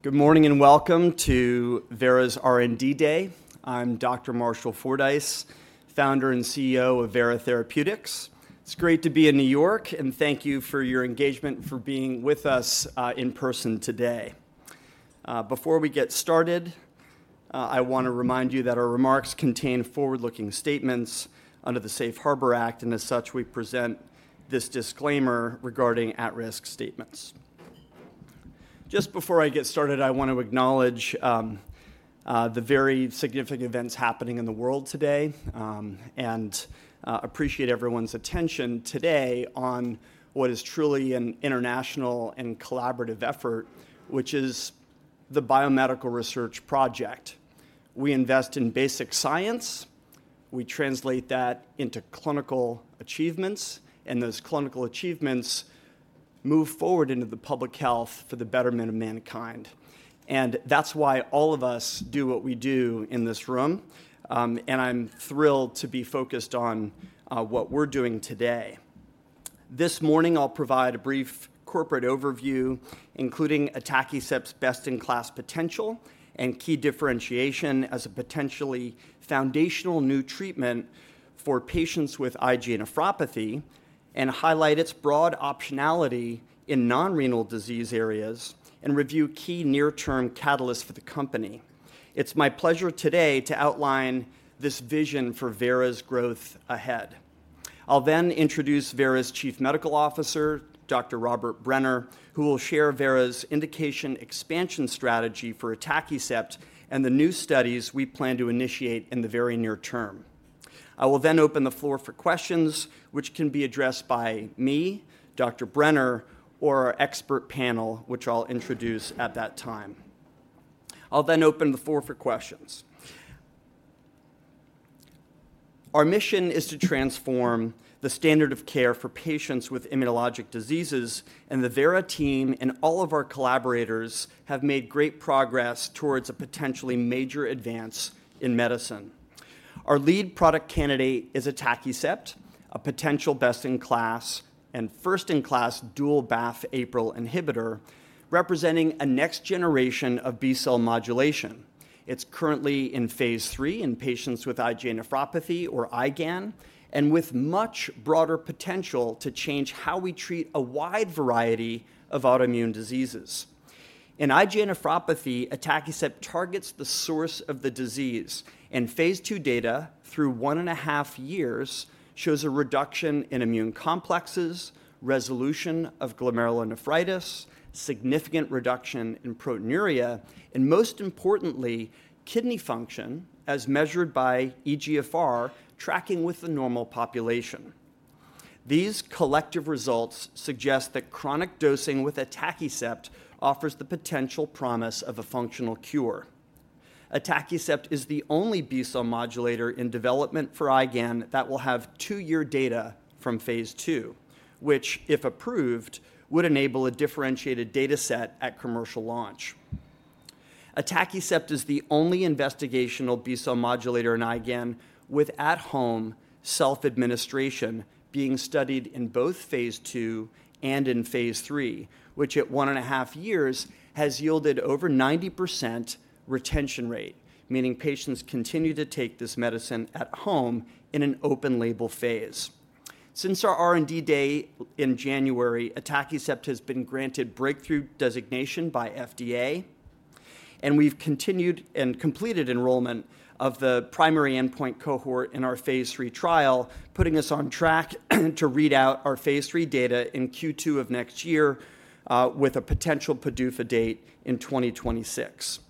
Good morning and welcome to Vera's R&D Day. I'm Dr. Marshall Fordyce, Founder and CEO of Vera Therapeutics. It's great to be in New York, and thank you for your engagement and for being with us in person today. Before we get started, I want to remind you that our remarks contain forward-looking statements under the Safe Harbor Act, and as such, we present this disclaimer regarding at-risk statements. Just before I get started, I want to acknowledge the very significant events happening in the world today and appreciate everyone's attention today on what is truly an international and collaborative effort, which is the biomedical research project. We invest in basic science. We translate that into clinical achievements, and those clinical achievements move forward into the public health for the betterment of mankind. That's why all of us do what we do in this room, and I'm thrilled to be focused on what we're doing today. This morning, I'll provide a brief corporate overview, including Atacicept's best-in-class potential and key differentiation as a potentially foundational new treatment for patients with IgA nephropathy, and highlight its broad optionality in non-renal disease areas, and review key near-term catalysts for the company. It's my pleasure today to outline this vision for Vera's growth ahead. I'll then introduce Vera's Chief Medical Officer, Dr. Robert Brenner, who will share Vera's indication expansion strategy for atacicept and the new studies we plan to initiate in the very near term. I will then open the floor for questions, which can be addressed by me, Dr. Brenner, or our expert panel, which I'll introduce at that time. Our mission is to transform the standard of care for patients with immunologic diseases, and the Vera team and all of our collaborators have made great progress towards a potentially major advance in medicine. Our lead product candidate is atacicept, a potential best-in-class and first-in-class dual BAFF-APRIL inhibitor, representing a next generation of B-cell modulation. It's currently in phase three in patients with IgA nephropathy or IgAN, and with much broader potential to change how we treat a wide variety of autoimmune diseases. In IgA nephropathy, atacicept targets the source of the disease, and phase two data through one and a half years shows a reduction in immune complexes, resolution of glomerulonephritis, significant reduction in proteinuria, and most importantly, kidney function as measured by eGFR tracking with the normal population. These collective results suggest that chronic dosing with atacicept offers the potential promise of a functional cure. Atacicept is the only B-cell modulator in development for IgAN that will have two-year data from phase two, which, if approved, would enable a differentiated data set at commercial launch. Atacicept is the only investigational B-cell modulator in IgAN with at-home self-administration being studied in both phase two and in phase three, which at one and a half years has yielded over 90% retention rate, meaning patients continue to take this medicine at home in an open label phase. Since our R&D day in January, Atacicept has been granted breakthrough designation by FDA, and we've continued and completed enrollment of the primary endpoint cohort in our phase three trial, putting us on track to read out our phase three data in Q2 of next year with a potential PDUFA date in 2026.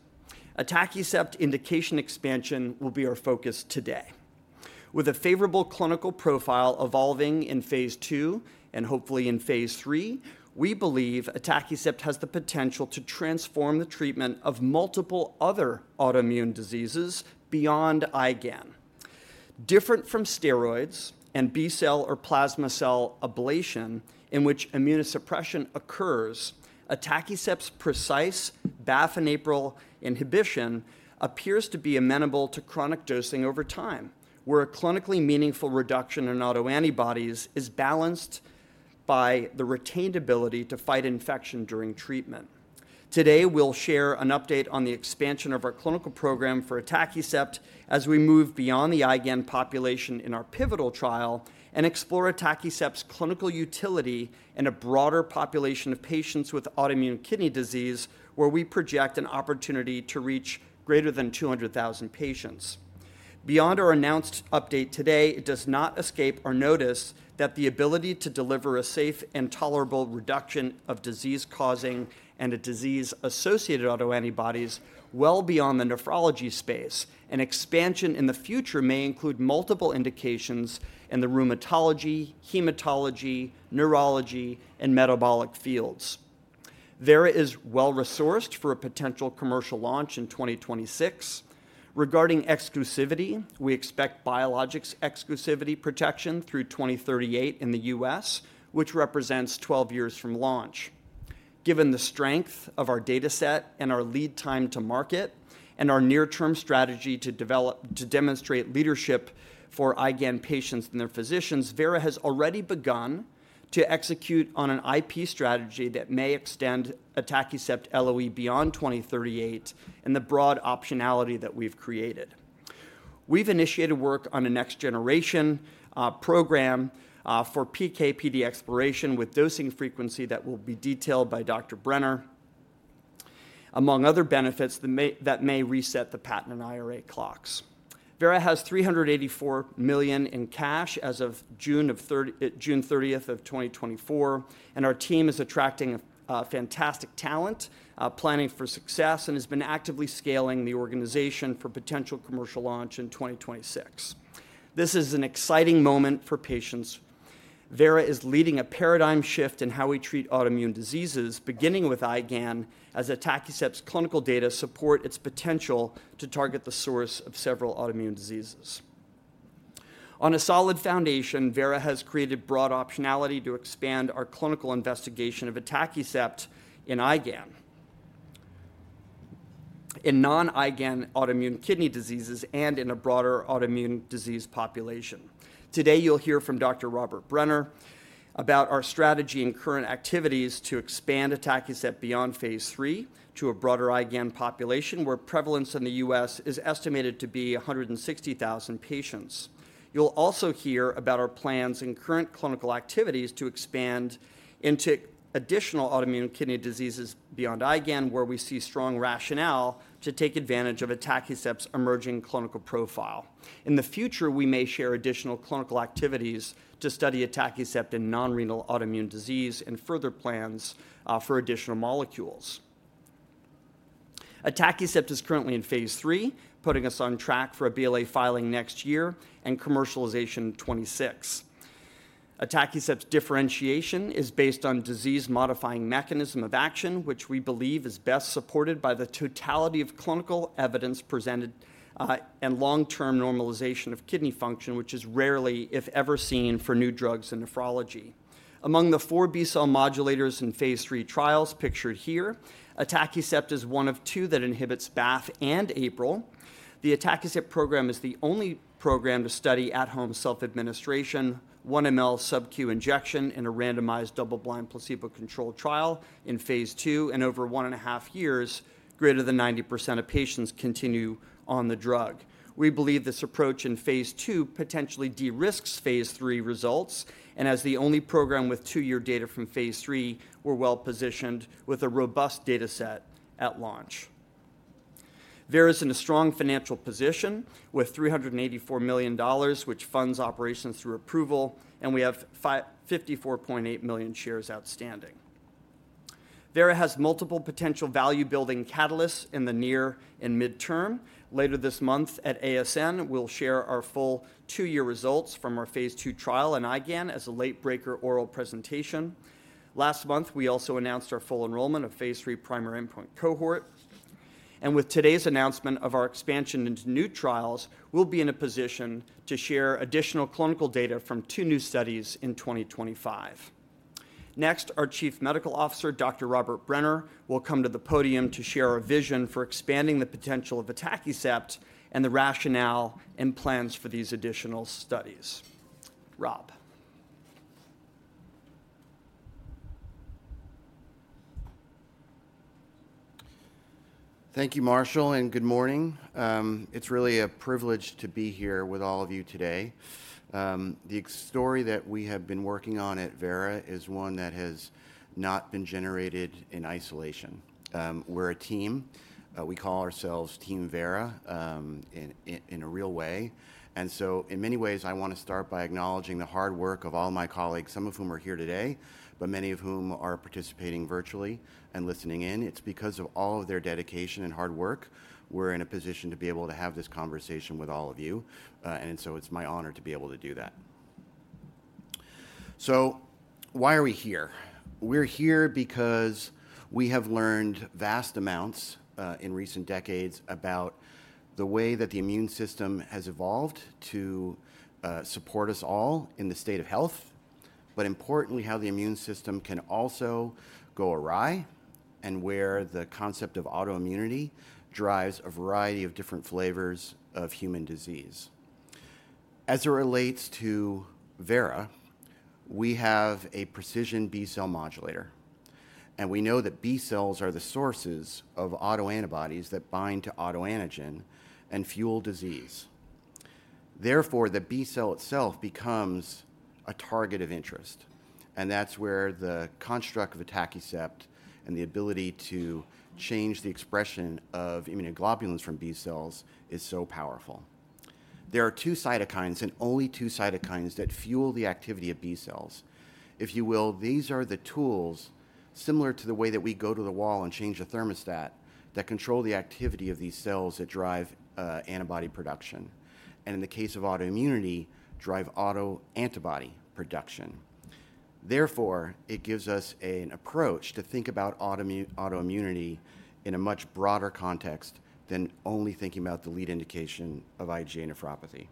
Atacicept indication expansion will be our focus today. With a favorable clinical profile evolving in phase two and hopefully in phase three, we believe Atacicept has the potential to transform the treatment of multiple other autoimmune diseases beyond IgAN. Different from steroids and B-cell or plasma cell ablation in which immunosuppression occurs, Atacicept's precise BAFF and APRIL inhibition appears to be amenable to chronic dosing over time, where a clinically meaningful reduction in autoantibodies is balanced by the retained ability to fight infection during treatment. Today, we'll share an update on the expansion of our clinical program for Atacicept as we move beyond the IgAN population in our pivotal trial and explore Atacicept's clinical utility in a broader population of patients with autoimmune kidney disease, where we project an opportunity to reach greater than 200,000 patients. Beyond our announced update today, it does not escape our notice that the ability to deliver a safe and tolerable reduction of disease-causing and disease-associated autoantibodies well beyond the nephrology space, and expansion in the future may include multiple indications in the rheumatology, hematology, neurology, and metabolic fields. Vera is well-resourced for a potential commercial launch in 2026. Regarding exclusivity, we expect biologics exclusivity protection through 2038 in the U.S., which represents 12 years from launch. Given the strength of our data set and our lead time to market and our near-term strategy to demonstrate leadership for IgAN patients and their physicians, Vera has already begun to execute on an IP strategy that may extend Atacicept LOE beyond 2038 and the broad optionality that we've created. We've initiated work on a next-generation program for PK/PD exploration with dosing frequency that will be detailed by Dr.Brenner. Among other benefits that may reset the patent and IRA clocks. Vera has $384 million in cash as of June 30, 2024, and our team is attracting fantastic talent, planning for success, and has been actively scaling the organization for potential commercial launch in 2026. This is an exciting moment for patients. Vera is leading a paradigm shift in how we treat autoimmune diseases, beginning with IgAN as Atacicept's clinical data support its potential to target the source of several autoimmune diseases. On a solid foundation, Vera has created broad optionality to expand our clinical investigation of Atacicept in IgAN, in non-IgAN autoimmune kidney diseases, and in a broader autoimmune disease population. Today, you'll hear from Dr. Robert Brenner about our strategy and current activities to expand Atacicept beyond phase three to a broader IgAN population, where prevalence in the U.S. is estimated to be 160,000 patients. You'll also hear about our plans and current clinical activities to expand into additional autoimmune kidney diseases beyond IgAN, where we see strong rationale to take advantage of Atacicept's emerging clinical profile. In the future, we may share additional clinical activities to study Atacicept in non-renal autoimmune disease and further plans for additional molecules. Atacicept is currently in phase 3, putting us on track for a BLA filing next year and commercialization in 2026. Atacicept's differentiation is based on disease-modifying mechanism of action, which we believe is best supported by the totality of clinical evidence presented and long-term normalization of kidney function, which is rarely, if ever, seen for new drugs in nephrology. Among the four B-cell modulators in phase 3 trials pictured here, Atacicept is one of two that inhibits BAFF and APRIL. The Atacicept program is the only program to study at-home self-administration, 1 mL subcu injection in a randomized double-blind placebo-controlled trial in phase two, and over one and a half years, greater than 90% of patients continue on the drug. We believe this approach in phase two potentially de-risks phase three results, and as the only program with two-year data from phase three, we're well-positioned with a robust data set at launch. Vera is in a strong financial position with $384 million, which funds operations through approval, and we have 54.8 million shares outstanding. Vera has multiple potential value-building catalysts in the near and midterm. Later this month at ASN, we'll share our full two-year results from our phase two trial in IgAN as a late-breaker oral presentation. Last month, we also announced our full enrollment of phase three primary endpoint cohort. And with today's announcement of our expansion into new trials, we'll be in a position to share additional clinical data from two new studies in 2025. Next, our Chief Medical Officer, Dr. Robert Brenner, will come to the podium to share our vision for expanding the potential of Atacicept and the rationale and plans for these additional studies. Rob. Thank you, Marshall, and good morning. It's really a privilege to be here with all of you today. The story that we have been working on at Vera is one that has not been generated in isolation. We're a team. We call ourselves Team Vera in a real way. And so, in many ways, I want to start by acknowledging the hard work of all my colleagues, some of whom are here today, but many of whom are participating virtually and listening in. It's because of all of their dedication and hard work we're in a position to be able to have this conversation with all of you, and so it's my honor to be able to do that. So why are we here? We're here because we have learned vast amounts in recent decades about the way that the immune system has evolved to support us all in the state of health, but importantly, how the immune system can also go awry and where the concept of autoimmunity drives a variety of different flavors of human disease. As it relates to Vera, we have a precision B-cell modulator, and we know that B-cells are the sources of autoantibodies that bind to autoantigens and fuel disease. Therefore, the B-cell itself becomes a target of interest, and that's where the construct of Atacicept and the ability to change the expression of immunoglobulins from B-cells is so powerful. There are two cytokines and only two cytokines that fuel the activity of B-cells. If you will, these are the tools similar to the way that we go to the wall and change the thermostat that control the activity of these cells that drive antibody production and, in the case of autoimmunity, drive autoantibody production. Therefore, it gives us an approach to think about autoimmunity in a much broader context than only thinking about the lead indication of IgA nephropathy.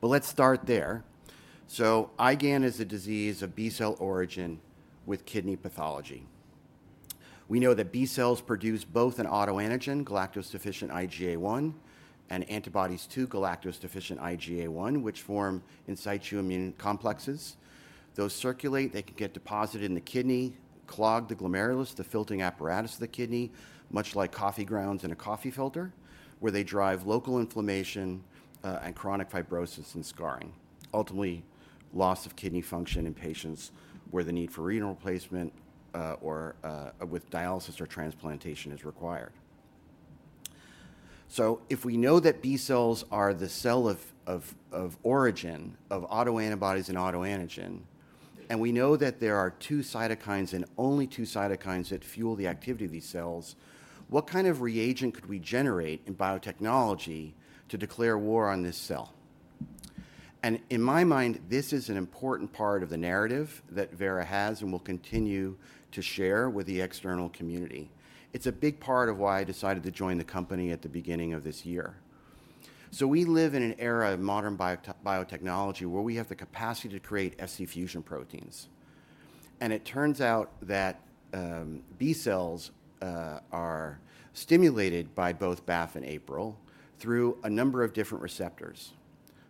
But let's start there. So IgAN is a disease of B-cell origin with kidney pathology. We know that B-cells produce both an autoantigen, galactose-deficient IgA1, and antibodies to galactose-deficient IgA1, which form in situ immune complexes. Those circulate, they can get deposited in the kidney, clog the glomerulus, the filtering apparatus of the kidney, much like coffee grounds in a coffee filter, where they drive local inflammation and chronic fibrosis and scarring, ultimately loss of kidney function in patients where the need for renal replacement or with dialysis or transplantation is required. So if we know that B-cells are the cell of origin of autoantibodies and autoantigen, and we know that there are two cytokines and only two cytokines that fuel the activity of these cells, what kind of reagent could we generate in biotechnology to declare war on this cell? And in my mind, this is an important part of the narrative that Vera has and will continue to share with the external community. It's a big part of why I decided to join the company at the beginning of this year. So we live in an era of modern biotechnology where we have the capacity to create Fc fusion proteins. And it turns out that B-cells are stimulated by both BAFF and APRIL through a number of different receptors.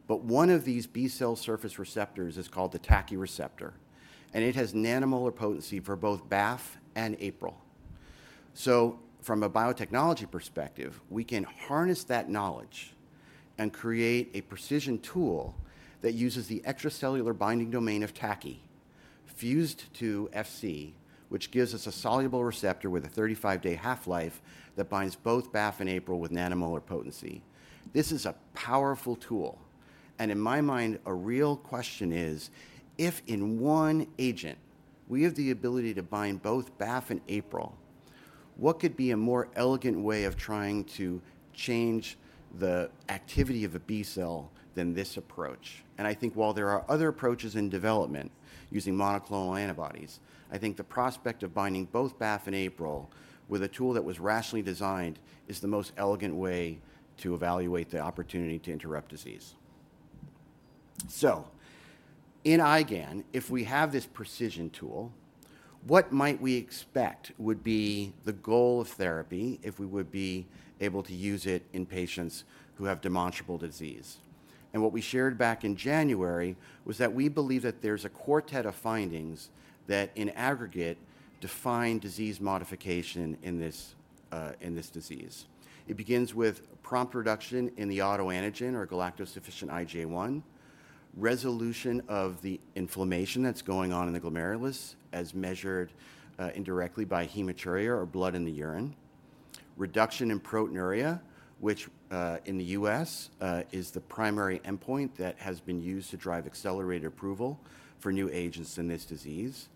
But one of these B-cell surface receptors is called the TACI receptor, and it has nanomolar potency for both BAFF and APRIL. So from a biotechnology perspective, we can harness that knowledge and create a precision tool that uses the extracellular binding domain of TACI fused to Fc, which gives us a soluble receptor with a 35-day half-life that binds both BAFF and APRIL with nanomolar potency. This is a powerful tool. And in my mind, a real question is, if in one agent we have the ability to bind both BAFF and APRIL, what could be a more elegant way of trying to change the activity of a B-cell than this approach? And I think while there are other approaches in development using monoclonal antibodies, I think the prospect of binding both BAFF and APRIL with a tool that was rationally designed is the most elegant way to evaluate the opportunity to interrupt disease. So in IgAN, if we have this precision tool, what might we expect would be the goal of therapy if we would be able to use it in patients who have demonstrable disease? And what we shared back in January was that we believe that there's a quartet of findings that in aggregate define disease modification in this disease. It begins with prompt reduction in the autoantigen or galactose-deficient IgA1, resolution of the inflammation that's going on in the glomerulus as measured indirectly by hematuria or blood in the urine, reduction in proteinuria, which in the U.S. is the primary endpoint that has been used to drive accelerated approval for new agents in this disease,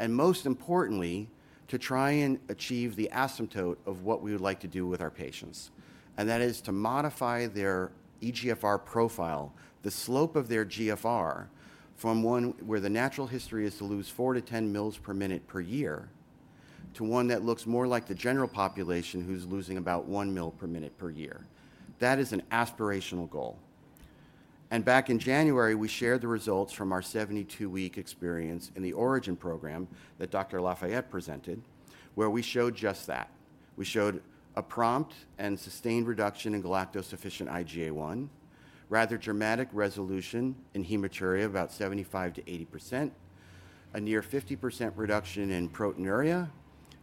and most importantly, to try and achieve the asymptote of what we would like to do with our patients. And that is to modify their eGFR profile, the slope of their GFR from one where the natural history is to lose 4-10 mL per minute per year to one that looks more like the general population who's losing about 1 mL per minute per year. That is an aspirational goal. And back in January, we shared the results from our 72-week experience in the ORIGIN program that Dr. Lafayette presented, where we showed just that. We showed a prompt and sustained reduction in galactose-deficient IgA1, rather dramatic resolution in hematuria of about 75%-80%, a near 50% reduction in proteinuria,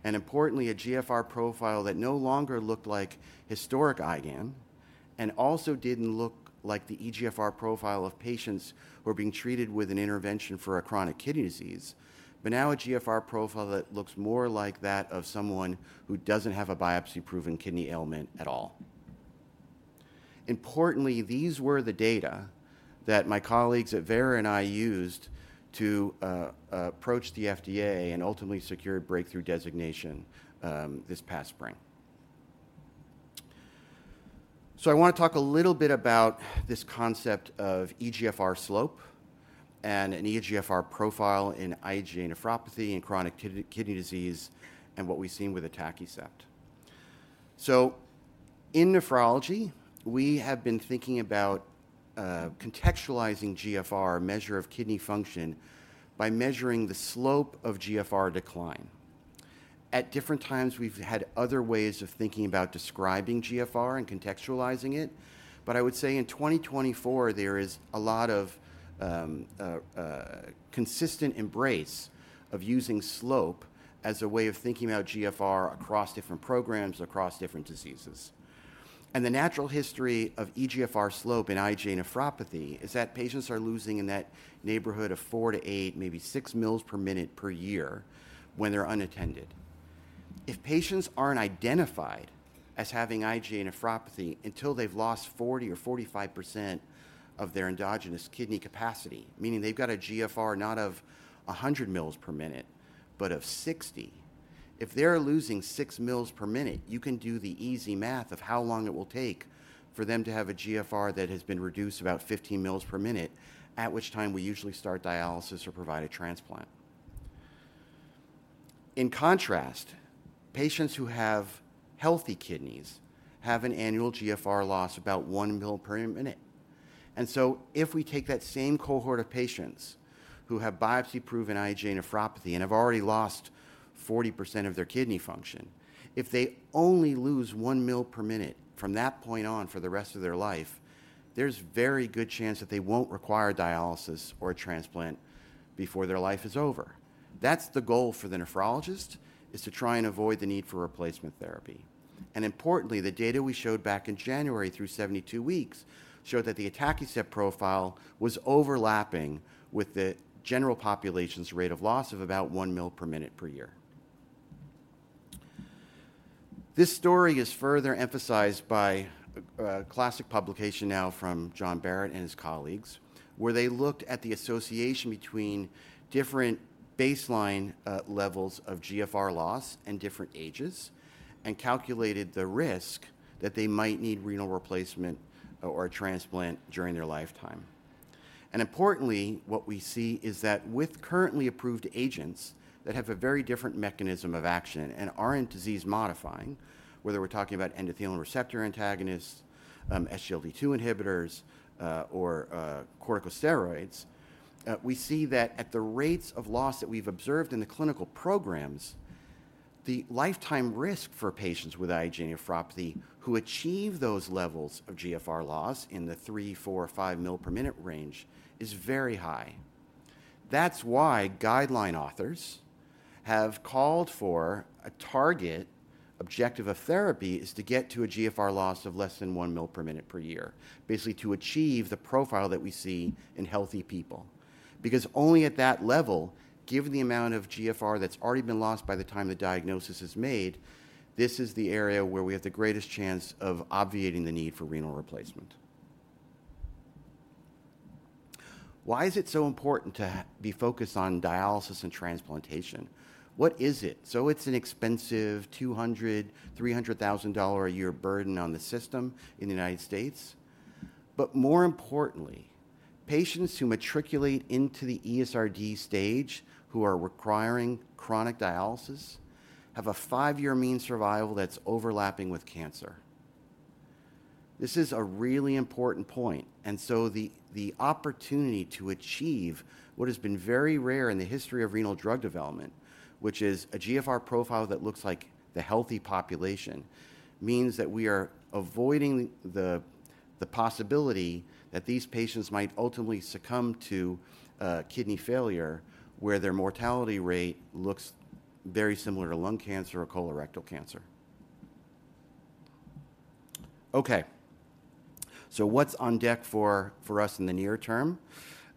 and importantly, a GFR profile that no longer looked like historic IgAN and also didn't look like the eGFR profile of patients who are being treated with an intervention for a chronic kidney disease, but now a GFR profile that looks more like that of someone who doesn't have a biopsy-proven kidney ailment at all. Importantly, these were the data that my colleagues at Vera and I used to approach the FDA and ultimately secure a breakthrough designation this past spring. So I want to talk a little bit about this concept of eGFR slope and an eGFR profile in IgA nephropathy and chronic kidney disease and what we've seen with Atacicept. So in nephrology, we have been thinking about contextualizing GFR, a measure of kidney function, by measuring the slope of GFR decline. At different times, we've had other ways of thinking about describing GFR and contextualizing it, but I would say in 2024, there is a lot of consistent embrace of using slope as a way of thinking about GFR across different programs, across different diseases. And the natural history of eGFR slope in IgA nephropathy is that patients are losing in that neighborhood of four to eight, maybe six mL per minute per year when they're unattended. If patients aren't identified as having IgA nephropathy until they've lost 40% or 45% of their endogenous kidney capacity, meaning they've got a GFR not of 100 mL per minute, but of 60, if they're losing 6 mL per minute, you can do the easy math of how long it will take for them to have a GFR that has been reduced about 15 mL per minute, at which time we usually start dialysis or provide a transplant. In contrast, patients who have healthy kidneys have an annual GFR loss of about 1 mL per minute. And so if we take that same cohort of patients who have biopsy-proven IgA nephropathy and have already lost 40% of their kidney function, if they only lose 1 mL per minute from that point on for the rest of their life, there's very good chance that they won't require dialysis or a transplant before their life is over. That's the goal for the nephrologist, is to try and avoid the need for replacement therapy. And importantly, the data we showed back in January through 72 weeks showed that the Atacicept profile was overlapping with the general population's rate of loss of about 1 mL per minute per year. This story is further emphasized by a classic publication now from Jonathan Barratt and his colleagues, where they looked at the association between different baseline levels of GFR loss and different ages and calculated the risk that they might need renal replacement or a transplant during their lifetime, and importantly, what we see is that with currently approved agents that have a very different mechanism of action and aren't disease-modifying, whether we're talking about endothelin receptor antagonists, SGLT2 inhibitors, or corticosteroids, we see that at the rates of loss that we've observed in the clinical programs, the lifetime risk for patients with IgA nephropathy who achieve those levels of GFR loss in the 3mL, 4mL, 5 mL per minute range is very high. That's why guideline authors have called for a target objective of therapy is to get to a GFR loss of less than one mL per minute per year, basically to achieve the profile that we see in healthy people. Because only at that level, given the amount of GFR that's already been lost by the time the diagnosis is made, this is the area where we have the greatest chance of obviating the need for renal replacement. Why is it so important to be focused on dialysis and transplantation? What is it? So it's an expensive $200,000-$300,000 a year burden on the system in the United States. But more importantly, patients who matriculate into the ESRD stage who are requiring chronic dialysis have a five-year mean survival that's overlapping with cancer. This is a really important point. And so the opportunity to achieve what has been very rare in the history of renal drug development, which is a GFR profile that looks like the healthy population, means that we are avoiding the possibility that these patients might ultimately succumb to kidney failure where their mortality rate looks very similar to lung cancer or colorectal cancer. Okay. So what's on deck for us in the near term?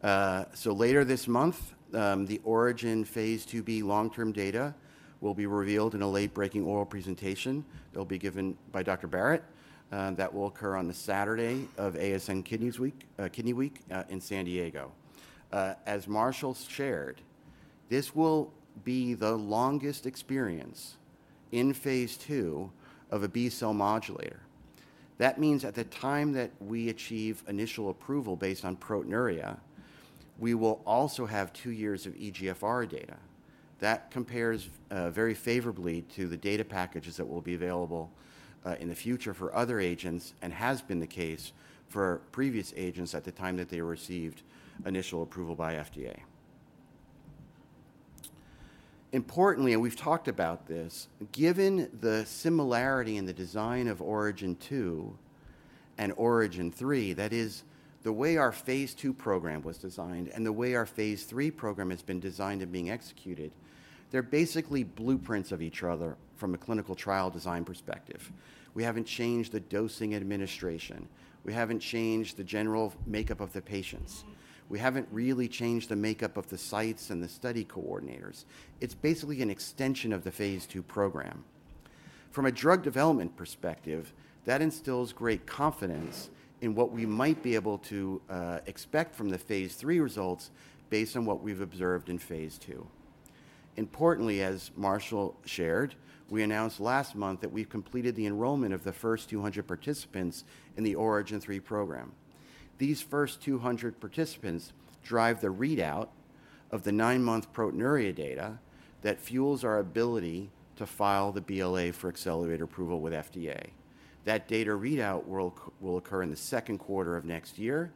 So later this month, the ORIGIN phase 2b long-term data will be revealed in a late-breaking oral presentation that will be given by Dr. Barratt. That will occur on the Saturday of ASN Kidney Week in San Diego. As Marshall shared, this will be the longest experience in phase 2 of a B-cell modulator. That means at the time that we achieve initial approval based on proteinuria, we will also have two years of eGFR data. That compares very favorably to the data packages that will be available in the future for other agents and has been the case for previous agents at the time that they received initial approval by FDA. Importantly, and we've talked about this, given the similarity in the design of ORIGIN 2 and ORIGIN 3, that is, the way our phase 2 program was designed and the way our phase 3 program has been designed and being executed, they're basically blueprints of each other from a clinical trial design perspective. We haven't changed the dosing administration. We haven't changed the general makeup of the patients. We haven't really changed the makeup of the sites and the study coordinators. It's basically an extension of the phase 2 program. From a drug development perspective, that instills great confidence in what we might be able to expect from the phase 3 results based on what we've observed in phase 2. Importantly, as Marshall shared, we announced last month that we've completed the enrollment of the first 200 participants in the ORIGIN 3 program. These first 200 participants drive the readout of the nine-month proteinuria data that fuels our ability to file the BLA for accelerated approval with FDA. That data readout will occur in the second quarter of next year,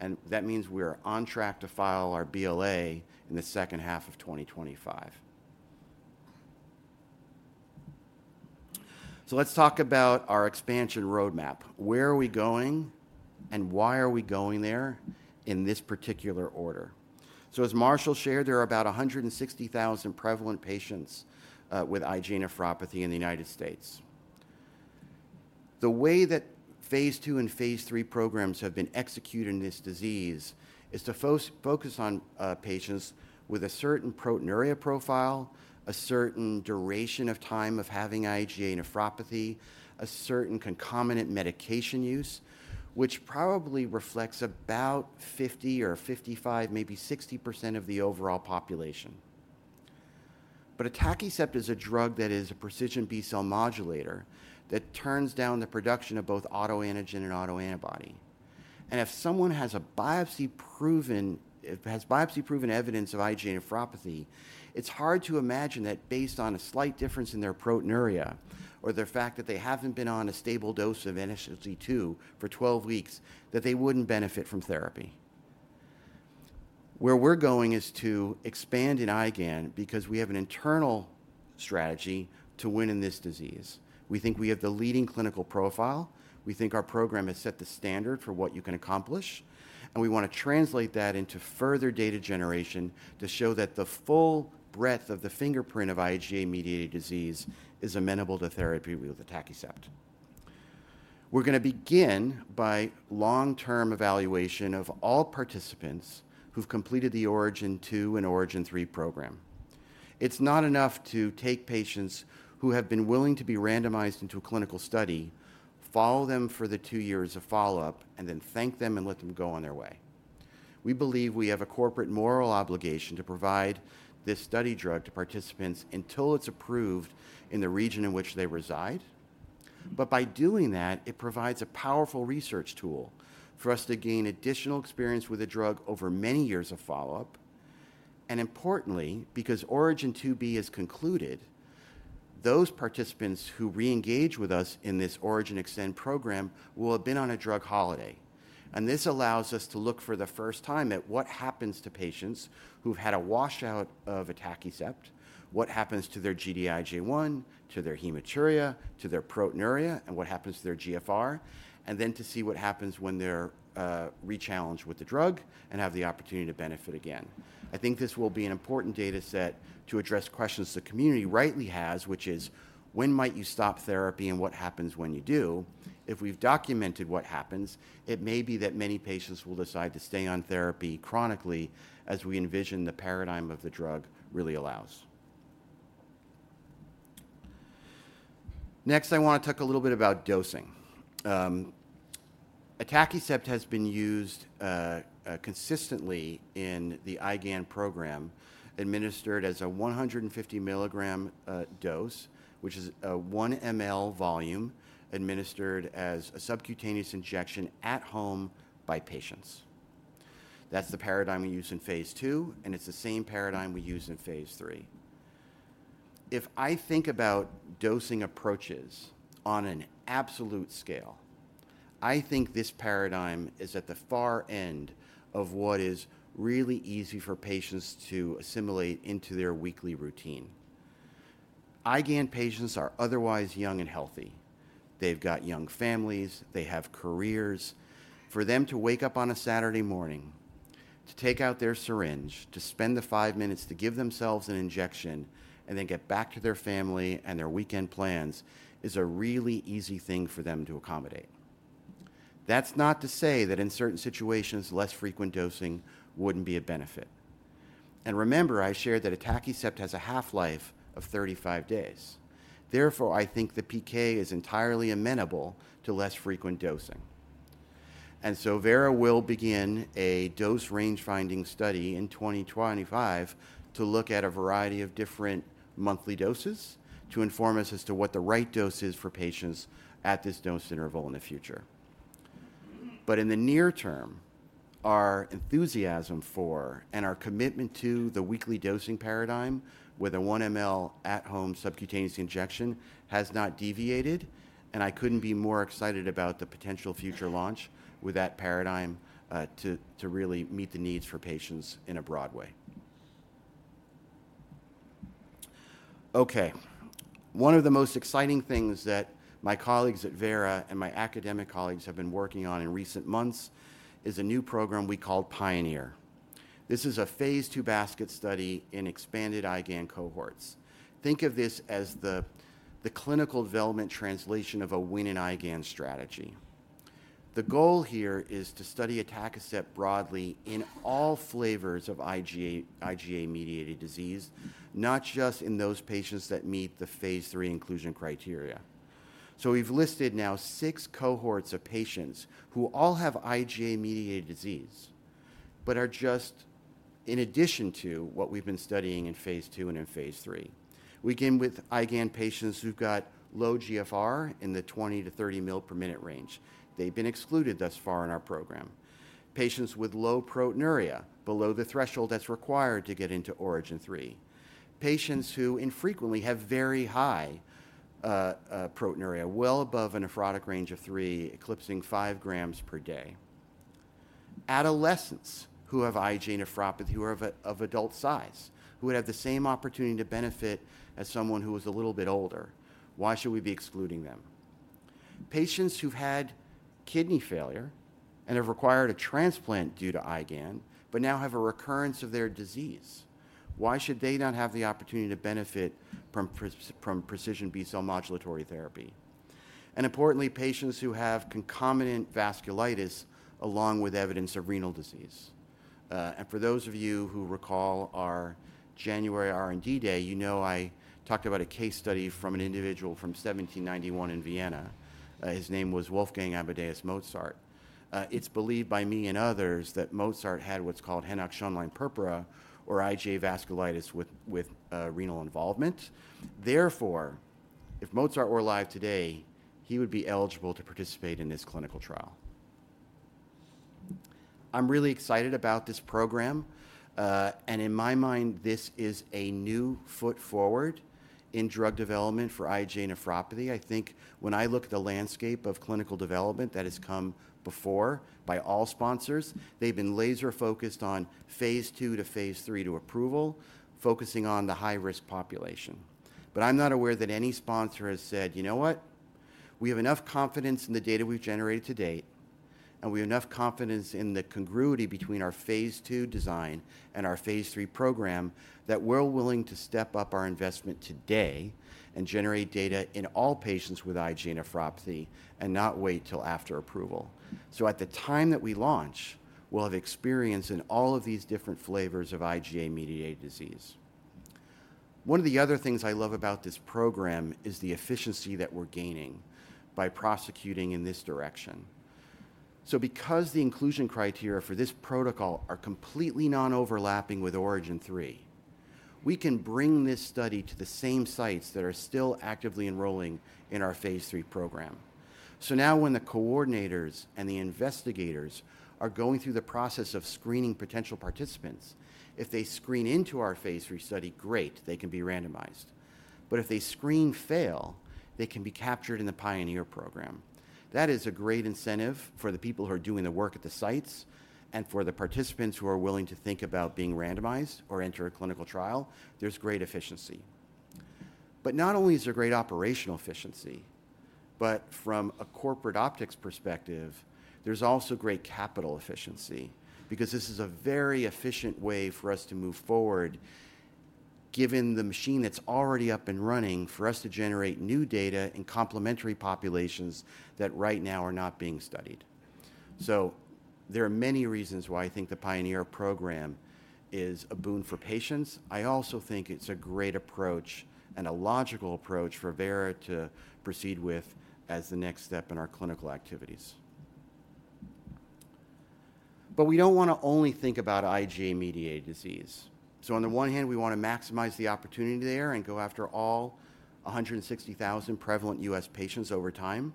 and that means we are on track to file our BLA in the second half of 2025. So let's talk about our expansion roadmap. Where are we going and why are we going there in this particular order? So as Marshall shared, there are about 160,000 prevalent patients with IgA nephropathy in the United States. The way that phase 2 and phase 3 programs have been executed in this disease is to focus on patients with a certain proteinuria profile, a certain duration of time of having IgA nephropathy, a certain concomitant medication use, which probably reflects about 50 or 55, maybe 60% of the overall population. But Atacicept is a drug that is a precision B-cell modulator that turns down the production of both autoantigen and autoantibody. And if someone has biopsy-proven evidence of IgA nephropathy, it's hard to imagine that based on a slight difference in their proteinuria or the fact that they haven't been on a stable dose of SGLT2 for 12 weeks, that they wouldn't benefit from therapy. Where we're going is to expand in IgAN because we have an internal strategy to win in this disease. We think we have the leading clinical profile. We think our program has set the standard for what you can accomplish, and we want to translate that into further data generation to show that the full breadth of the fingerprint of IgA-mediated disease is amenable to therapy with Atacicept. We're going to begin by long-term evaluation of all participants who've completed the ORIGIN 2 and ORIGIN 3 program. It's not enough to take patients who have been willing to be randomized into a clinical study, follow them for the two years of follow-up, and then thank them and let them go on their way. We believe we have a corporate moral obligation to provide this study drug to participants until it's approved in the region in which they reside. But by doing that, it provides a powerful research tool for us to gain additional experience with the drug over many years of follow-up. Importantly, because ORIGIN 2b is concluded, those participants who re-engage with us in this ORIGIN Extend program will have been on a drug holiday. This allows us to look for the first time at what happens to patients who've had a washout of atacicept, what happens to their Gd-IgA1, to their hematuria, to their proteinuria, and what happens to their GFR, and then to see what happens when they're re-challenged with the drug and have the opportunity to benefit again. I think this will be an important data set to address questions the community rightly has, which is, when might you stop therapy and what happens when you do? If we've documented what happens, it may be that many patients will decide to stay on therapy chronically as we envision the paradigm of the drug really allows. Next, I want to talk a little bit about dosing. Atacicept has been used consistently in the IgAN program, administered as a 150 milligram dose, which is a 1 mL volume, administered as a subcutaneous injection at home by patients. That's the paradigm we use in phase 2, and it's the same paradigm we use in phase 3. If I think about dosing approaches on an absolute scale, I think this paradigm is at the far end of what is really easy for patients to assimilate into their weekly routine. IgAN patients are otherwise young and healthy. They've got young families. They have careers. For them to wake up on a Saturday morning, to take out their syringe, to spend the five minutes to give themselves an injection, and then get back to their family and their weekend plans is a really easy thing for them to accommodate. That's not to say that in certain situations, less frequent dosing wouldn't be a benefit. And remember, I shared that Atacicept has a half-life of 35 days. Therefore, I think the PK is entirely amenable to less frequent dosing. And so Vera will begin a dose range-finding study in 2025 to look at a variety of different monthly doses to inform us as to what the right dose is for patients at this dose interval in the future. But in the near term, our enthusiasm for and our commitment to the weekly dosing paradigm with a 1 mL at-home subcutaneous injection has not deviated, and I couldn't be more excited about the potential future launch with that paradigm to really meet the needs for patients in a broad way. Okay. One of the most exciting things that my colleagues at Vera and my academic colleagues have been working on in recent months is a new program we call PIONEER. This is a phase 2 basket study in expanded IgAN cohorts. Think of this as the clinical development translation of a winning IgAN strategy. The goal here is to study atacicept broadly in all flavors of IgA-mediated disease, not just in those patients that meet the phase 3 inclusion criteria. So we've listed now six cohorts of patients who all have IgA-mediated disease but are just in addition to what we've been studying in phase 2 and in phase 3. We begin with IgAN patients who've got low GFR in the 20-30 mL per minute range. They've been excluded thus far in our program. Patients with low proteinuria, below the threshold that's required to get into ORIGIN 3. Patients who infrequently have very high proteinuria, well above a nephrotic range of three, eclipsing five grams per day. Adolescents who have IgA Nephropathy, who are of adult size, who would have the same opportunity to benefit as someone who is a little bit older, why should we be excluding them? Patients who've had kidney failure and have required a transplant due to IgAN but now have a recurrence of their disease, why should they not have the opportunity to benefit from precision B-cell modulatory therapy? And importantly, patients who have concomitant vasculitis along with evidence of renal disease. And for those of you who recall our January R&D day, you know I talked about a case study from an individual from 1791 in Vienna. His name was Wolfgang Amadeus Mozart. It's believed by me and others that Mozart had what's called Henoch-Schönlein purpura, or IgA vasculitis with renal involvement. Therefore, if Mozart were alive today, he would be eligible to participate in this clinical trial. I'm really excited about this program, and in my mind, this is a new foot forward in drug development for IgA nephropathy. I think when I look at the landscape of clinical development that has come before by all sponsors, they've been laser-focused on phase 2 to phase 3 to approval, focusing on the high-risk population. But I'm not aware that any sponsor has said, "You know what? We have enough confidence in the data we've generated to date, and we have enough confidence in the congruity between our phase 2 design and our phase 3 program that we're willing to step up our investment today and generate data in all patients with IgA nephropathy and not wait till after approval. So at the time that we launch, we'll have experience in all of these different flavors of IgA-mediated disease. One of the other things I love about this program is the efficiency that we're gaining by prosecuting in this direction. So because the inclusion criteria for this protocol are completely non-overlapping with ORIGIN 3, we can bring this study to the same sites that are still actively enrolling in our phase 3 program. So now when the coordinators and the investigators are going through the process of screening potential participants, if they screen into our phase 3 study, great, they can be randomized. But if they screen fail, they can be captured in the PIONEER program. That is a great incentive for the people who are doing the work at the sites and for the participants who are willing to think about being randomized or enter a clinical trial. There's great efficiency. But not only is there great operational efficiency, but from a corporate optics perspective, there's also great capital efficiency because this is a very efficient way for us to move forward, given the machine that's already up and running, for us to generate new data in complementary populations that right now are not being studied. So there are many reasons why I think the PIONEER program is a boon for patients. I also think it's a great approach and a logical approach for Vera to proceed with as the next step in our clinical activities. But we don't want to only think about IgA-mediated disease. So on the one hand, we want to maximize the opportunity there and go after all 160,000 prevalent U.S. patients over time.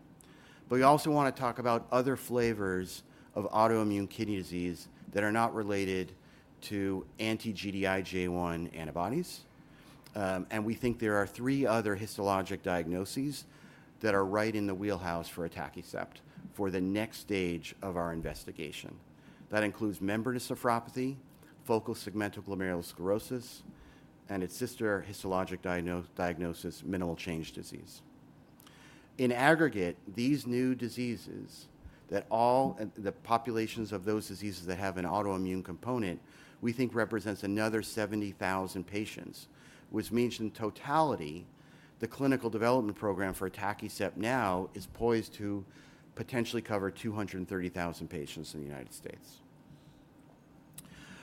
But we also want to talk about other flavors of autoimmune kidney disease that are not related to anti-Gd-IgA1 antibodies. And we think there are three other histologic diagnoses that are right in the wheelhouse for Atacicept for the next stage of our investigation. That includes membranous nephropathy, focal segmental glomerulosclerosis, and its sister histologic diagnosis, minimal change disease. In aggregate, these new diseases that all the populations of those diseases that have an autoimmune component, we think represents another 70,000 patients, which means in totality, the clinical development program for atacicept now is poised to potentially cover 230,000 patients in the United States.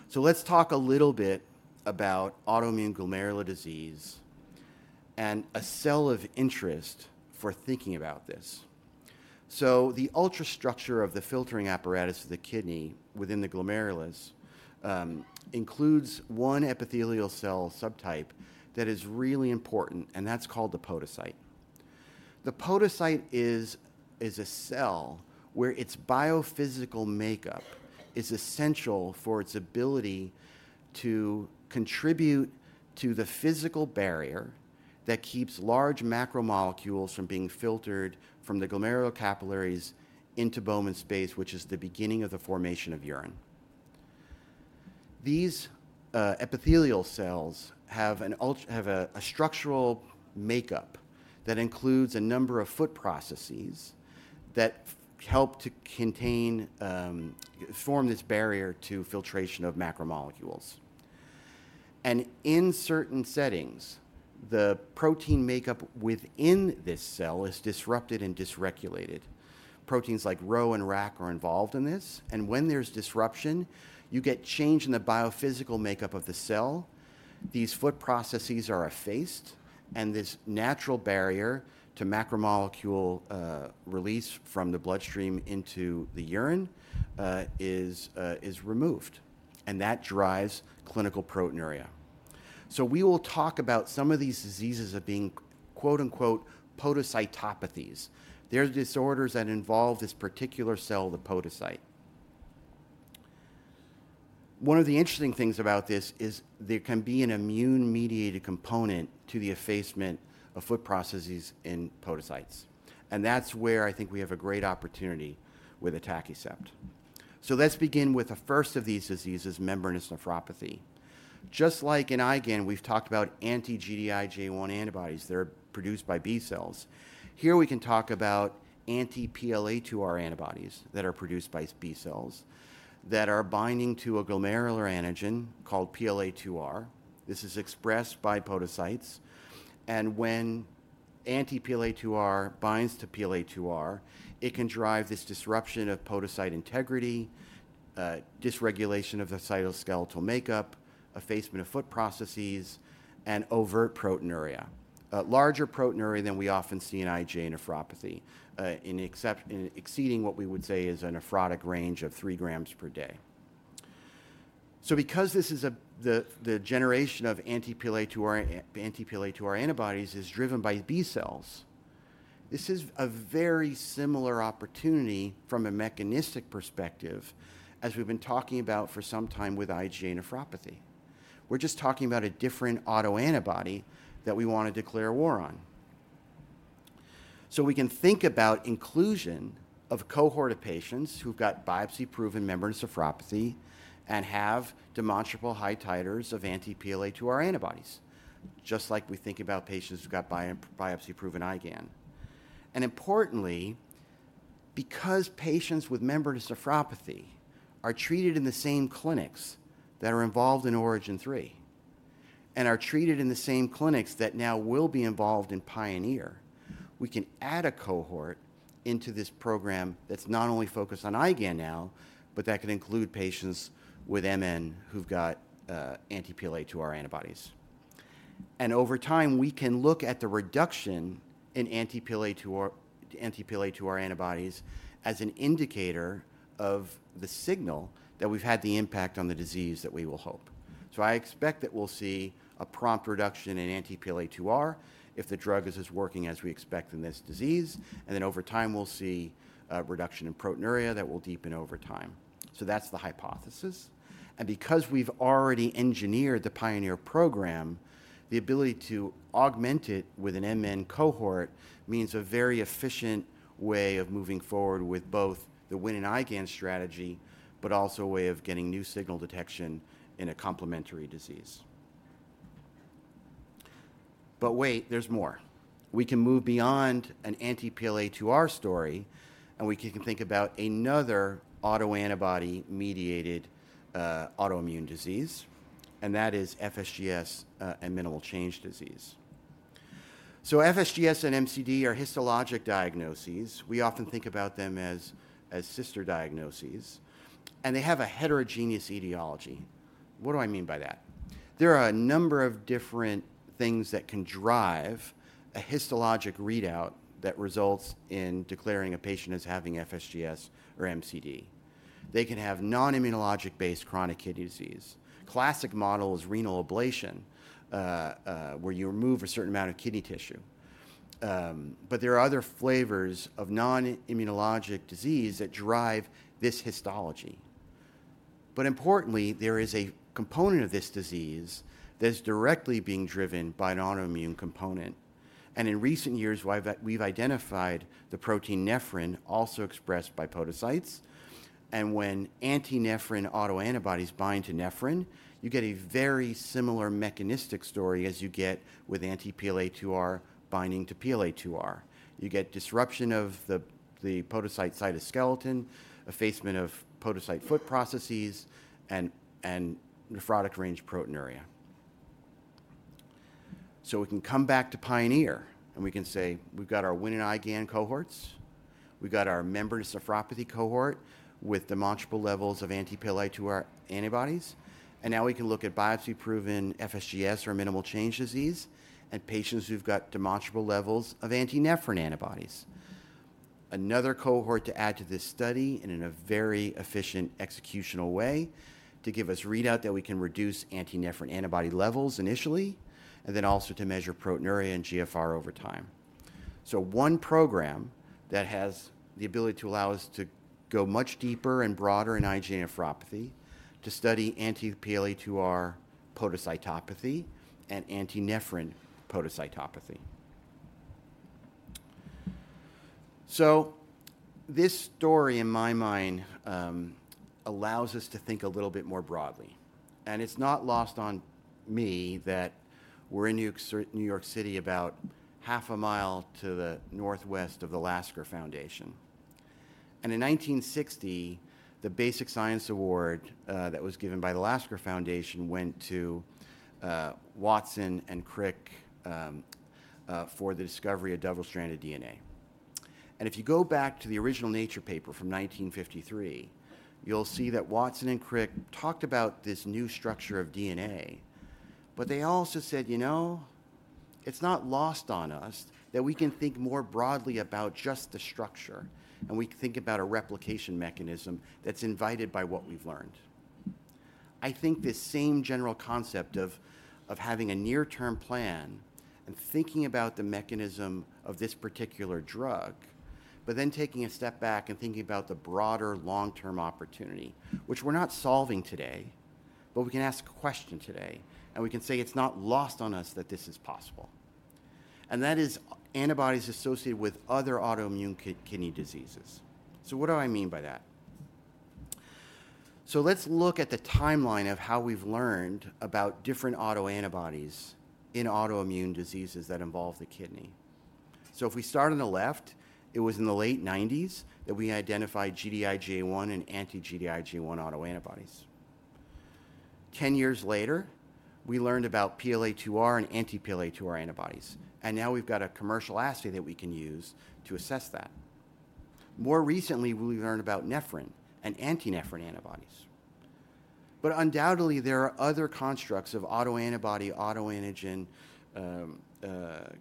So let's talk a little bit about autoimmune glomerular disease and a cell of interest for thinking about this. So the ultrastructure of the filtering apparatus of the kidney within the glomerulus includes one epithelial cell subtype that is really important, and that's called the podocyte. The podocyte is a cell where its biophysical makeup is essential for its ability to contribute to the physical barrier that keeps large macromolecules from being filtered from the glomerular capillaries into Bowman's space, which is the beginning of the formation of urine. These epithelial cells have a structural makeup that includes a number of foot processes that help to form this barrier to filtration of macromolecules. And in certain settings, the protein makeup within this cell is disrupted and dysregulated. Proteins like Rho and Rac are involved in this. And when there's disruption, you get change in the biophysical makeup of the cell. These foot processes are effaced, and this natural barrier to macromolecule release from the bloodstream into the urine is removed, and that drives clinical proteinuria. So we will talk about some of these diseases as being "podocytopathies." They're disorders that involve this particular cell, the podocyte. One of the interesting things about this is there can be an immune-mediated component to the effacement of foot processes in podocytes. And that's where I think we have a great opportunity with atacicept. So let's begin with the first of these diseases, membranous nephropathy. Just like in IgAN, we've talked about anti-Gd-IgA1 antibodies that are produced by B cells. Here, we can talk about anti-PLA2R antibodies that are produced by B cells that are binding to a glomerular antigen called PLA2R. This is expressed by podocytes. And when anti-PLA2R binds to PLA2R, it can drive this disruption of podocyte integrity, dysregulation of the cytoskeletal makeup, effacement of foot processes, and overt proteinuria, larger proteinuria than we often see in IgA nephropathy, exceeding what we would say is a nephrotic range of three grams per day. So because this is the generation of anti-PLA2R antibodies is driven by B cells, this is a very similar opportunity from a mechanistic perspective, as we've been talking about for some time with IgA nephropathy. We're just talking about a different autoantibody that we want to declare war on, so we can think about inclusion of a cohort of patients who've got biopsy-proven membranous nephropathy and have demonstrable high titers of Anti-PLA2R antibodies, just like we think about patients who've got biopsy-proven IgAN, and importantly, because patients with membranous nephropathy are treated in the same clinics that are involved in ORIGIN 3 and are treated in the same clinics that now will be involved in PIONEER, we can add a cohort into this program that's not only focused on IgAN now, but that can include patients with MN who've got Anti-PLA2R antibodies, and over time, we can look at the reduction in Anti-PLA2R antibodies as an indicator of the signal that we've had the impact on the disease that we will hope. I expect that we'll see a prompt reduction in anti-PLA2R if the drug is working as we expect in this disease. Then over time, we'll see a reduction in proteinuria that will deepen over time. That's the hypothesis. Because we've already engineered the Pioneer program, the ability to augment it with an MN cohort means a very efficient way of moving forward with both the winning IgAN strategy, but also a way of getting new signal detection in a complementary disease. Wait, there's more. We can move beyond an anti-PLA2R story, and we can think about another autoantibody-mediated autoimmune disease, and that is FSGS and minimal change disease. FSGS and MCD are histologic diagnoses. We often think about them as sister diagnoses, and they have a heterogeneous etiology. What do I mean by that? There are a number of different things that can drive a histologic readout that results in declaring a patient as having FSGS or MCD. They can have non-immunologic-based chronic kidney disease. Classic model is renal ablation, where you remove a certain amount of kidney tissue. But there are other flavors of non-immunologic disease that drive this histology. But importantly, there is a component of this disease that is directly being driven by an autoimmune component. And in recent years, we've identified the protein nephrin also expressed by podocytes. And when anti-nephrin autoantibodies bind to nephrin, you get a very similar mechanistic story as you get with anti-PLA2R binding to PLA2R. You get disruption of the podocyte cytoskeleton, effacement of podocyte foot processes, and nephrotic-range proteinuria. So we can come back to Pioneer, and we can say we've got our winning IgAN cohorts. We've got our membranous nephropathy cohort with demonstrable levels of anti-PLA2R antibodies, and now we can look at biopsy-proven FSGS or minimal change disease and patients who've got demonstrable levels of anti-nephrin antibodies. Another cohort to add to this study in a very efficient executional way to give us readout that we can reduce anti-nephrin antibody levels initially, and then also to measure proteinuria and GFR over time, so one program that has the ability to allow us to go much deeper and broader in IgA nephropathy to study anti-PLA2R podocytopathy and anti-nephrin podocytopathy, so this story, in my mind, allows us to think a little bit more broadly, and it's not lost on me that we're in New York City, about half a mile to the northwest of the Lasker Foundation. In 1960, the Basic Science Award that was given by the Lasker Foundation went to Watson and Crick for the discovery of double-stranded DNA. If you go back to the original Nature paper from 1953, you'll see that Watson and Crick talked about this new structure of DNA, but they also said, "You know, it's not lost on us that we can think more broadly about just the structure, and we can think about a replication mechanism that's invited by what we've learned." I think this same general concept of having a near-term plan and thinking about the mechanism of this particular drug, but then taking a step back and thinking about the broader long-term opportunity, which we're not solving today, but we can ask a question today, and we can say it's not lost on us that this is possible. And that is antibodies associated with other autoimmune kidney diseases. So what do I mean by that? So let's look at the timeline of how we've learned about different autoantibodies in autoimmune diseases that involve the kidney. So if we start on the left, it was in the late 1990s that we identified Gd-IgA1 and anti-Gd-IgA1 autoantibodies. Ten years later, we learned about PLA2R and anti-PLA2R antibodies. And now we've got a commercial assay that we can use to assess that. More recently, we learned about nephrin and anti-nephrin antibodies. But undoubtedly, there are other constructs of autoantibody, autoantigen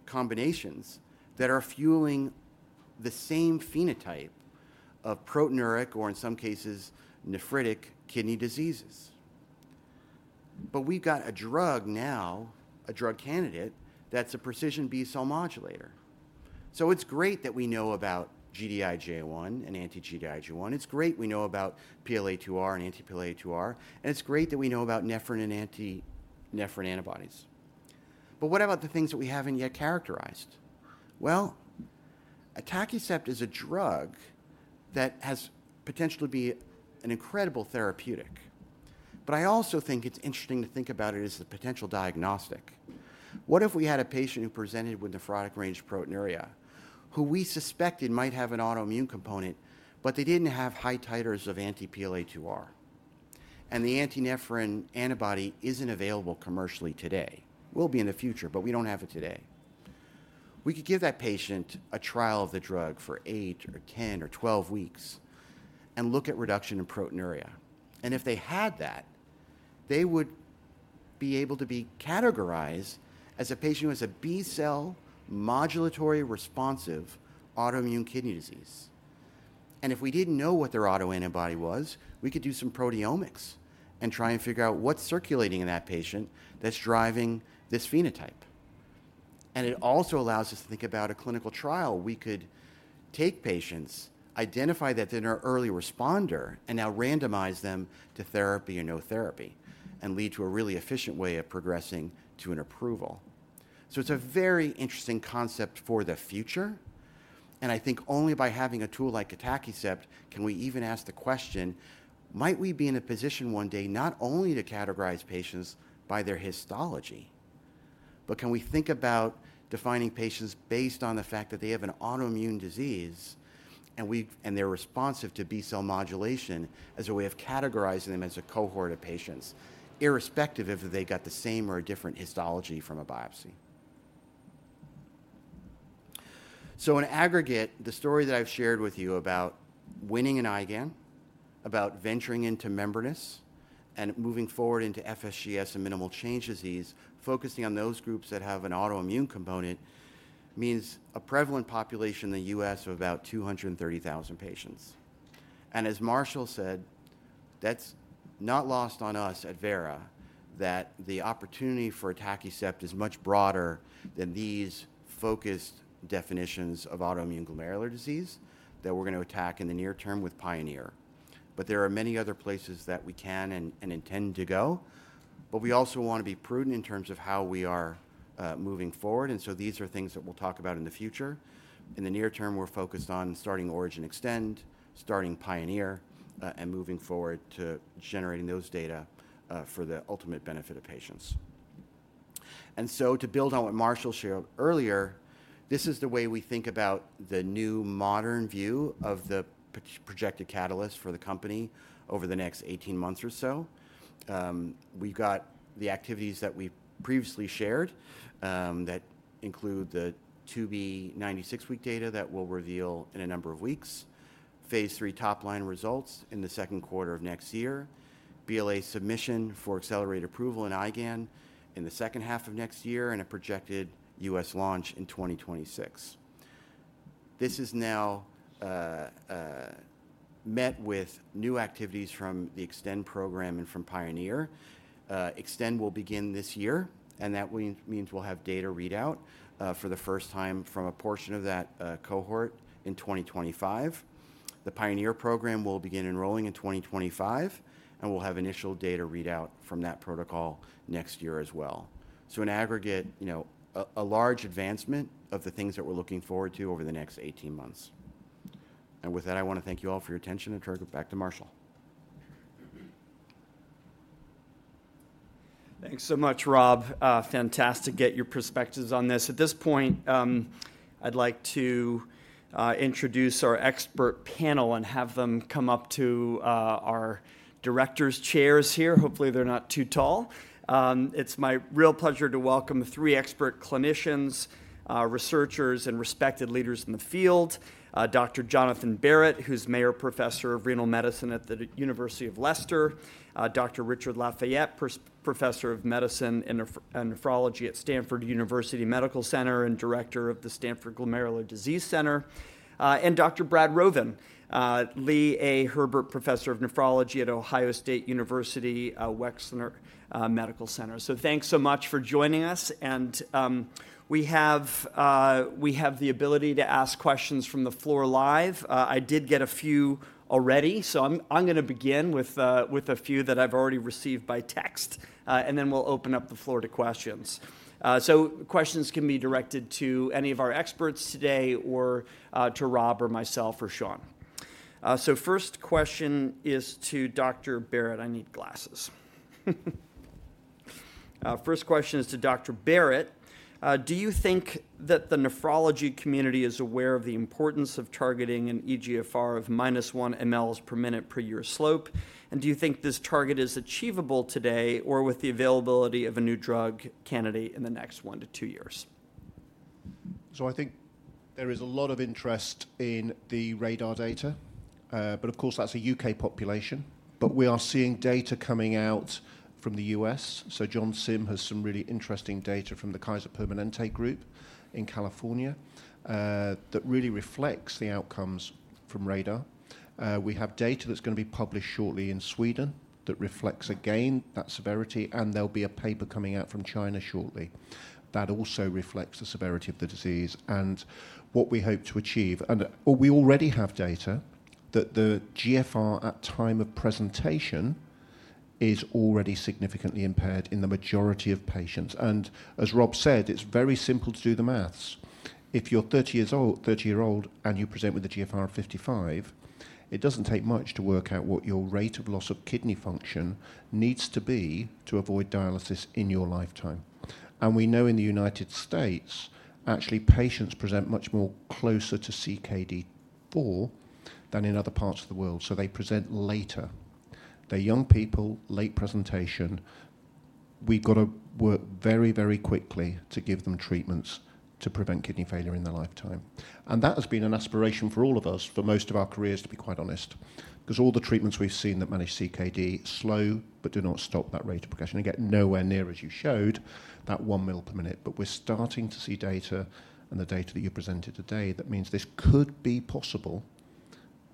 combinations that are fueling the same phenotype of proteinuric or, in some cases, nephritic kidney diseases. But we've got a drug now, a drug candidate that's a precision B cell modulator. So it's great that we know about Gd-IgA1 and anti-Gd-IgA1. It's great we know about PLA2R and anti-PLA2R, and it's great that we know about nephrin and anti-nephrin antibodies, but what about the things that we haven't yet characterized? Well, Atacicept is a drug that has potentially been an incredible therapeutic, but I also think it's interesting to think about it as a potential diagnostic. What if we had a patient who presented with nephrotic-range proteinuria who we suspected might have an autoimmune component, but they didn't have high titers of anti-PLA2R, and the anti-nephrin antibody isn't available commercially today? It will be in the future, but we don't have it today. We could give that patient a trial of the drug for eight or 10 or 12 weeks and look at reduction in proteinuria, and if they had that, they would be able to be categorized as a patient who has a B cell modulatory responsive autoimmune kidney disease. And if we didn't know what their autoantibody was, we could do some proteomics and try and figure out what's circulating in that patient that's driving this phenotype. And it also allows us to think about a clinical trial. We could take patients, identify that they're an early responder, and now randomize them to therapy or no therapy and lead to a really efficient way of progressing to an approval. So it's a very interesting concept for the future. I think only by having a tool like Atacicept can we even ask the question, might we be in a position one day not only to categorize patients by their histology, but can we think about defining patients based on the fact that they have an autoimmune disease and they're responsive to B cell modulation as a way of categorizing them as a cohort of patients, irrespective of if they got the same or a different histology from a biopsy? In aggregate, the story that I've shared with you about winning in IgAN, about venturing into membranous and moving forward into FSGS and minimal change disease, focusing on those groups that have an autoimmune component, means a prevalent population in the U.S. of about 230,000 patients. As Marshall said, that's not lost on us at Vera that the opportunity for Atacicept is much broader than these focused definitions of autoimmune glomerular disease that we're going to attack in the near term with PIONEER. There are many other places that we can and intend to go. We also want to be prudent in terms of how we are moving forward. These are things that we'll talk about in the future. In the near term, we're focused on starting ORIGIN Extend, starting PIONEER, and moving forward to generating those data for the ultimate benefit of patients. To build on what Marshall shared earlier, this is the way we think about the new modern view of the projected catalyst for the company over the next 18 months or so. We've got the activities that we previously shared that include the 2b 96-week data that we'll reveal in a number of weeks, phase three top line results in the second quarter of next year, BLA submission for accelerated approval in IgAN in the second half of next year, and a projected U.S. launch in 2026. This is now met with new activities from the Extend program and from Pioneer. Extend will begin this year, and that means we'll have data readout for the first time from a portion of that cohort in 2025. The Pioneer program will begin enrolling in 2025, and we'll have initial data readout from that protocol next year as well. So in aggregate, a large advancement of the things that we're looking forward to over the next 18 months. With that, I want to thank you all for your attention and turn it back to Marshall. Thanks so much, Rob. Fantastic to get your perspectives on this. At this point, I'd like to introduce our expert panel and have them come up to our director's chairs here. Hopefully, they're not too tall. It's my real pleasure to welcome three expert clinicians, researchers, and respected leaders in the field: Dr. Jonathan Barratt, who's Professor of Renal Medicine at the University of Leicester, Dr. Richard Lafayette, Professor of Medicine and Nephrology at Stanford University Medical Center and Director of the Stanford Glomerular Disease Center, and Dr. Brad Rovin, Lee A. Herbert Professor of Nephrology at Ohio State University Wexner Medical Center. So, thanks so much for joining us, and we have the ability to ask questions from the floor live. I did get a few already, so I'm going to begin with a few that I've already received by text, and then we'll open up the floor to questions. So questions can be directed to any of our experts today or to Rob or myself or Sean. So first question is to Dr. Barratt. I need glasses. First question is to Dr. Barratt. Do you think that the nephrology community is aware of the importance of targeting an eGFR of minus one mL per minute per year slope? And do you think this target is achievable today or with the availability of a new drug candidate in the next one to two years? I think there is a lot of interest in the RaDaR data. But of course, that's a U.K. population. But we are seeing data coming out from the U.S. So John Sim has some really interesting data from the Kaiser Permanente group in California that really reflects the outcomes from RaDaR. We have data that's going to be published shortly in Sweden that reflects again that severity. And there'll be a paper coming out from China shortly that also reflects the severity of the disease and what we hope to achieve. And we already have data that the GFR at time of presentation is already significantly impaired in the majority of patients. And as Rob said, it's very simple to do the math. If you're 30 years old and you present with a GFR of 55, it doesn't take much to work out what your rate of loss of kidney function needs to be to avoid dialysis in your lifetime. And we know in the United States, actually, patients present much more closer to CKD4 than in other parts of the world. So they present later. They're young people, late presentation. We've got to work very, very quickly to give them treatments to prevent kidney failure in their lifetime. And that has been an aspiration for all of us for most of our careers, to be quite honest, because all the treatments we've seen that manage CKD slow but do not stop that rate of progression. Again, nowhere near as you showed that one mL per minute. But we're starting to see data and the data that you presented today that means this could be possible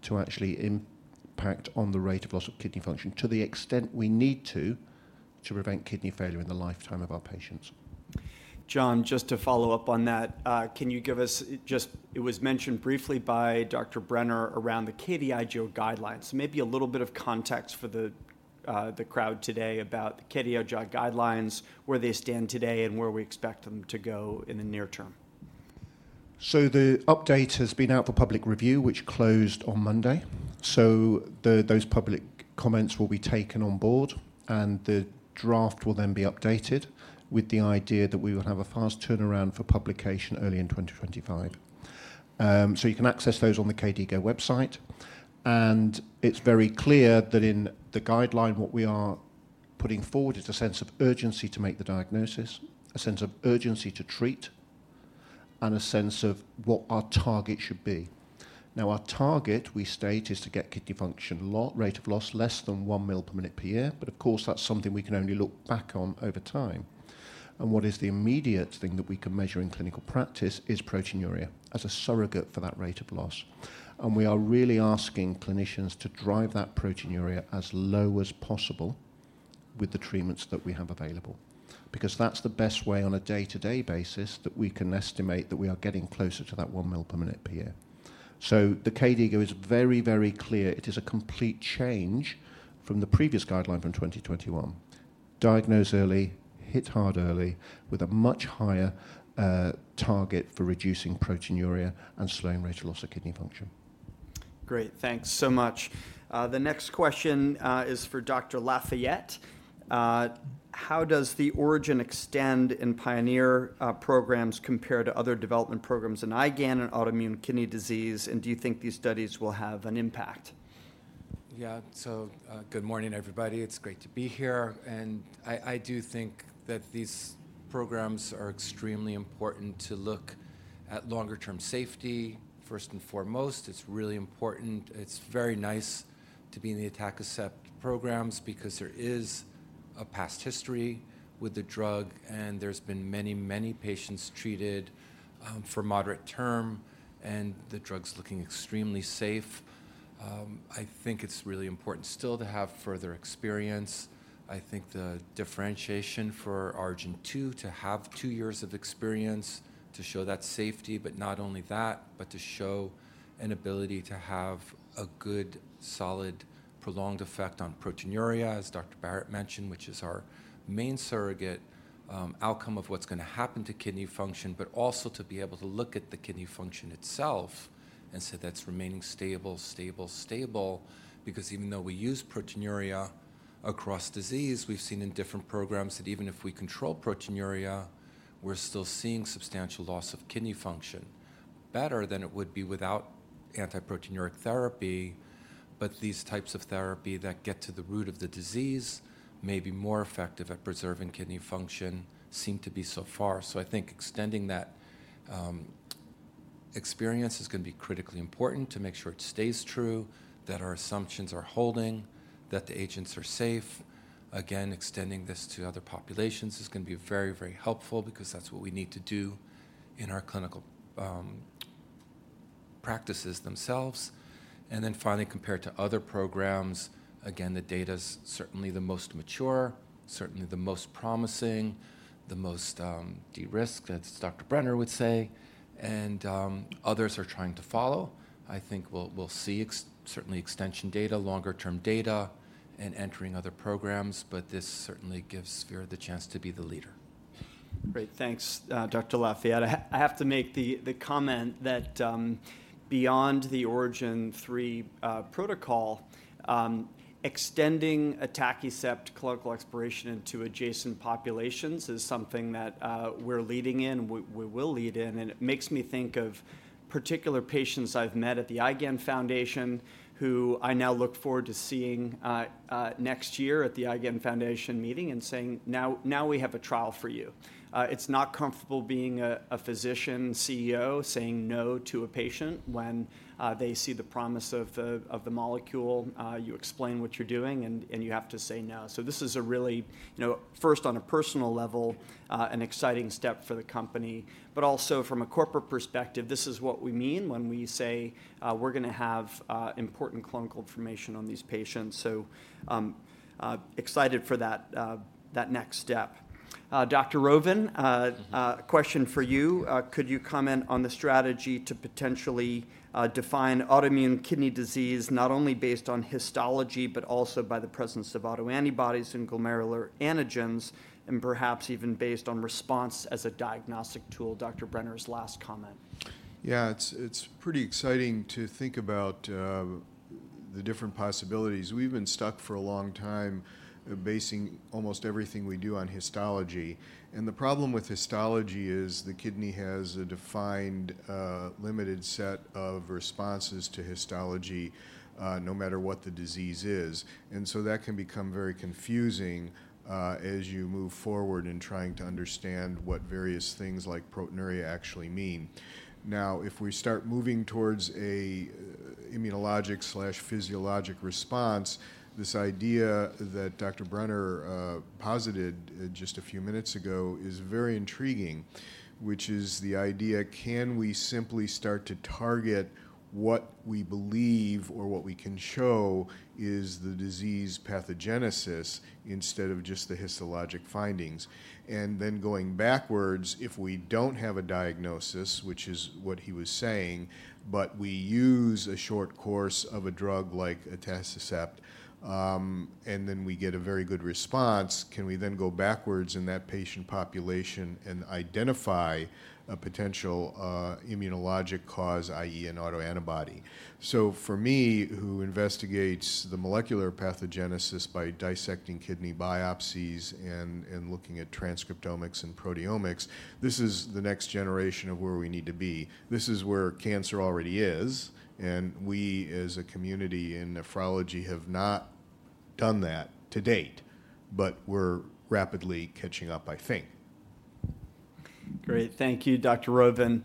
to actually impact on the rate of loss of kidney function to the extent we need to prevent kidney failure in the lifetime of our patients. John, just to follow up on that, can you give us just it was mentioned briefly by Dr. Brenner around the KDIGO guidelines? Maybe a little bit of context for the crowd today about the KDIGO guidelines, where they stand today, and where we expect them to go in the near term. So the update has been out for public review, which closed on Monday. So those public comments will be taken on board, and the draft will then be updated with the idea that we will have a fast turnaround for publication early in 2025. So you can access those on the KDIGO website. And it's very clear that in the guideline, what we are putting forward is a sense of urgency to make the diagnosis, a sense of urgency to treat, and a sense of what our target should be. Now, our target, we state, is to get kidney function rate of loss less than one mL per minute per year. But of course, that's something we can only look back on over time. And what is the immediate thing that we can measure in clinical practice is proteinuria as a surrogate for that rate of loss. We are really asking clinicians to drive that proteinuria as low as possible with the treatments that we have available, because that's the best way on a day-to-day basis that we can estimate that we are getting closer to that one mL per minute per year. The KDIGO is very, very clear. It is a complete change from the previous guideline from 2021. Diagnose early, hit hard early with a much higher target for reducing proteinuria and slowing rate of loss of kidney function. Great. Thanks so much. The next question is for Dr. Lafayette. How does the ORIGIN Extend and PIONEER programs compared to other development programs in IgAN and autoimmune kidney disease? And do you think these studies will have an impact? Yeah. So good morning, everybody. It's great to be here. And I do think that these programs are extremely important to look at longer-term safety, first and foremost. It's really important. It's very nice to be in the Atacicept programs because there is a past history with the drug, and there's been many, many patients treated for moderate term, and the drug's looking extremely safe. I think it's really important still to have further experience. I think the differentiation for origin two to have two years of experience to show that safety, but not only that, but to show an ability to have a good, solid, prolonged effect on proteinuria, as Dr. Barratt mentioned, which is our main surrogate outcome of what's going to happen to kidney function, but also to be able to look at the kidney function itself and say that's remaining stable, stable, stable. Because even though we use proteinuria across disease, we've seen in different programs that even if we control proteinuria, we're still seeing substantial loss of kidney function, better than it would be without antiproteinuric therapy. But these types of therapy that get to the root of the disease may be more effective at preserving kidney function, seem to be so far. So I think extending that experience is going to be critically important to make sure it stays true, that our assumptions are holding, that the agents are safe. Again, extending this to other populations is going to be very, very helpful because that's what we need to do in our clinical practices themselves. And then finally, compared to other programs, again, the data's certainly the most mature, certainly the most promising, the most de-risked, as Dr. Brenner would say, and others are trying to follow. I think we'll see certainly extension data, longer-term data, and entering other programs. But this certainly gives Vera the chance to be the leader. Great. Thanks, Dr. Lafayette. I have to make the comment that beyond the ORIGIN three protocol, extending Atacicept clinical exploration into adjacent populations is something that we're leading in, we will lead in. And it makes me think of particular patients I've met at the IgAN Foundation who I now look forward to seeing next year at the IgAN Foundation meeting and saying, now we have a trial for you. It's not comfortable being a physician CEO saying no to a patient when they see the promise of the molecule. You explain what you're doing, and you have to say no. So this is a really, first on a personal level, an exciting step for the company. But also from a corporate perspective, this is what we mean when we say we're going to have important clinical information on these patients. So excited for that next step. Dr.Rovin, a question for you. Could you comment on the strategy to potentially define autoimmune kidney disease not only based on histology, but also by the presence of autoantibodies and glomerular antigens, and perhaps even based on response as a diagnostic tool? Dr. Brenner's last comment. Yeah. It's pretty exciting to think about the different possibilities. We've been stuck for a long time basing almost everything we do on histology. And the problem with histology is the kidney has a defined, limited set of responses to histology no matter what the disease is. And so that can become very confusing as you move forward in trying to understand what various things like proteinuria actually mean. Now, if we start moving towards an immunologic/physiologic response, this idea that Dr. Brenner posited just a few minutes ago is very intriguing, which is the idea, can we simply start to target what we believe or what we can show is the disease pathogenesis instead of just the histologic findings? Then going backwards, if we don't have a diagnosis, which is what he was saying, but we use a short course of a drug like Atacicept and then we get a very good response, can we then go backwards in that patient population and identify a potential immunologic cause, i.e., an autoantibody? So for me, who investigates the molecular pathogenesis by dissecting kidney biopsies and looking at transcriptomics and proteomics, this is the next generation of where we need to be. This is where cancer already is. We, as a community in nephrology, have not done that to date, but we're rapidly catching up, I think. Great. Thank you, Dr. Rovin.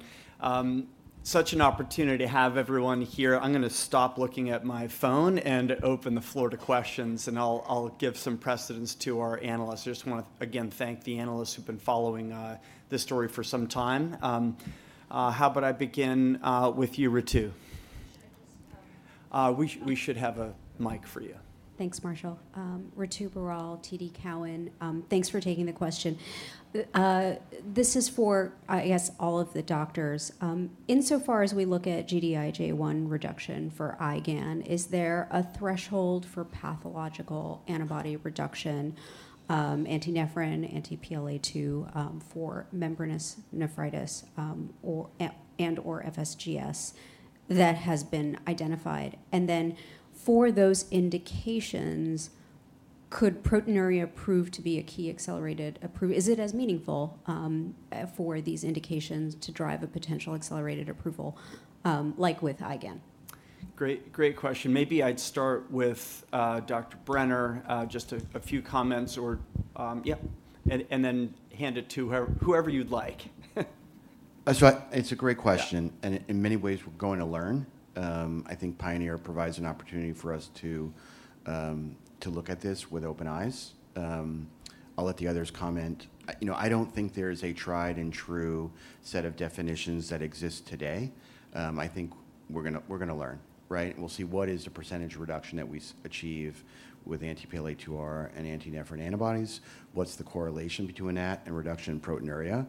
Such an opportunity to have everyone here. I'm going to stop looking at my phone and open the floor to questions, and I'll give some precedence to our analysts. I just want to, again, thank the analysts who've been following this story for some time. How about I begin with you, Ritu? We should have a mic for you. Thanks, Marshall. Ritu Baral, TD Cowen. Thanks for taking the question. This is for, I guess, all of the doctors. Insofar as we look at Gd-IgA1 reduction for IgAN, is there a threshold for pathological antibody reduction, anti-nephrin, anti-PLA2R for membranous nephropathy and/or FSGS that has been identified? And then for those indications, could proteinuria prove to be a key accelerated approval? Is it as meaningful for these indications to drive a potential accelerated approval like with IgAN? Great. Great question. Maybe I'd start with Dr. Brenner, just a few comments, or yeah, and then hand it to whoever you'd like. That's right. It's a great question, and in many ways, we're going to learn. I think Pioneer provides an opportunity for us to look at this with open eyes. I'll let the others comment. I don't think there is a tried-and-true set of definitions that exist today. I think we're going to learn, right? We'll see what is the percentage reduction that we achieve with anti-PLA2R and anti-nephrin antibodies. What's the correlation between that and reduction in proteinuria?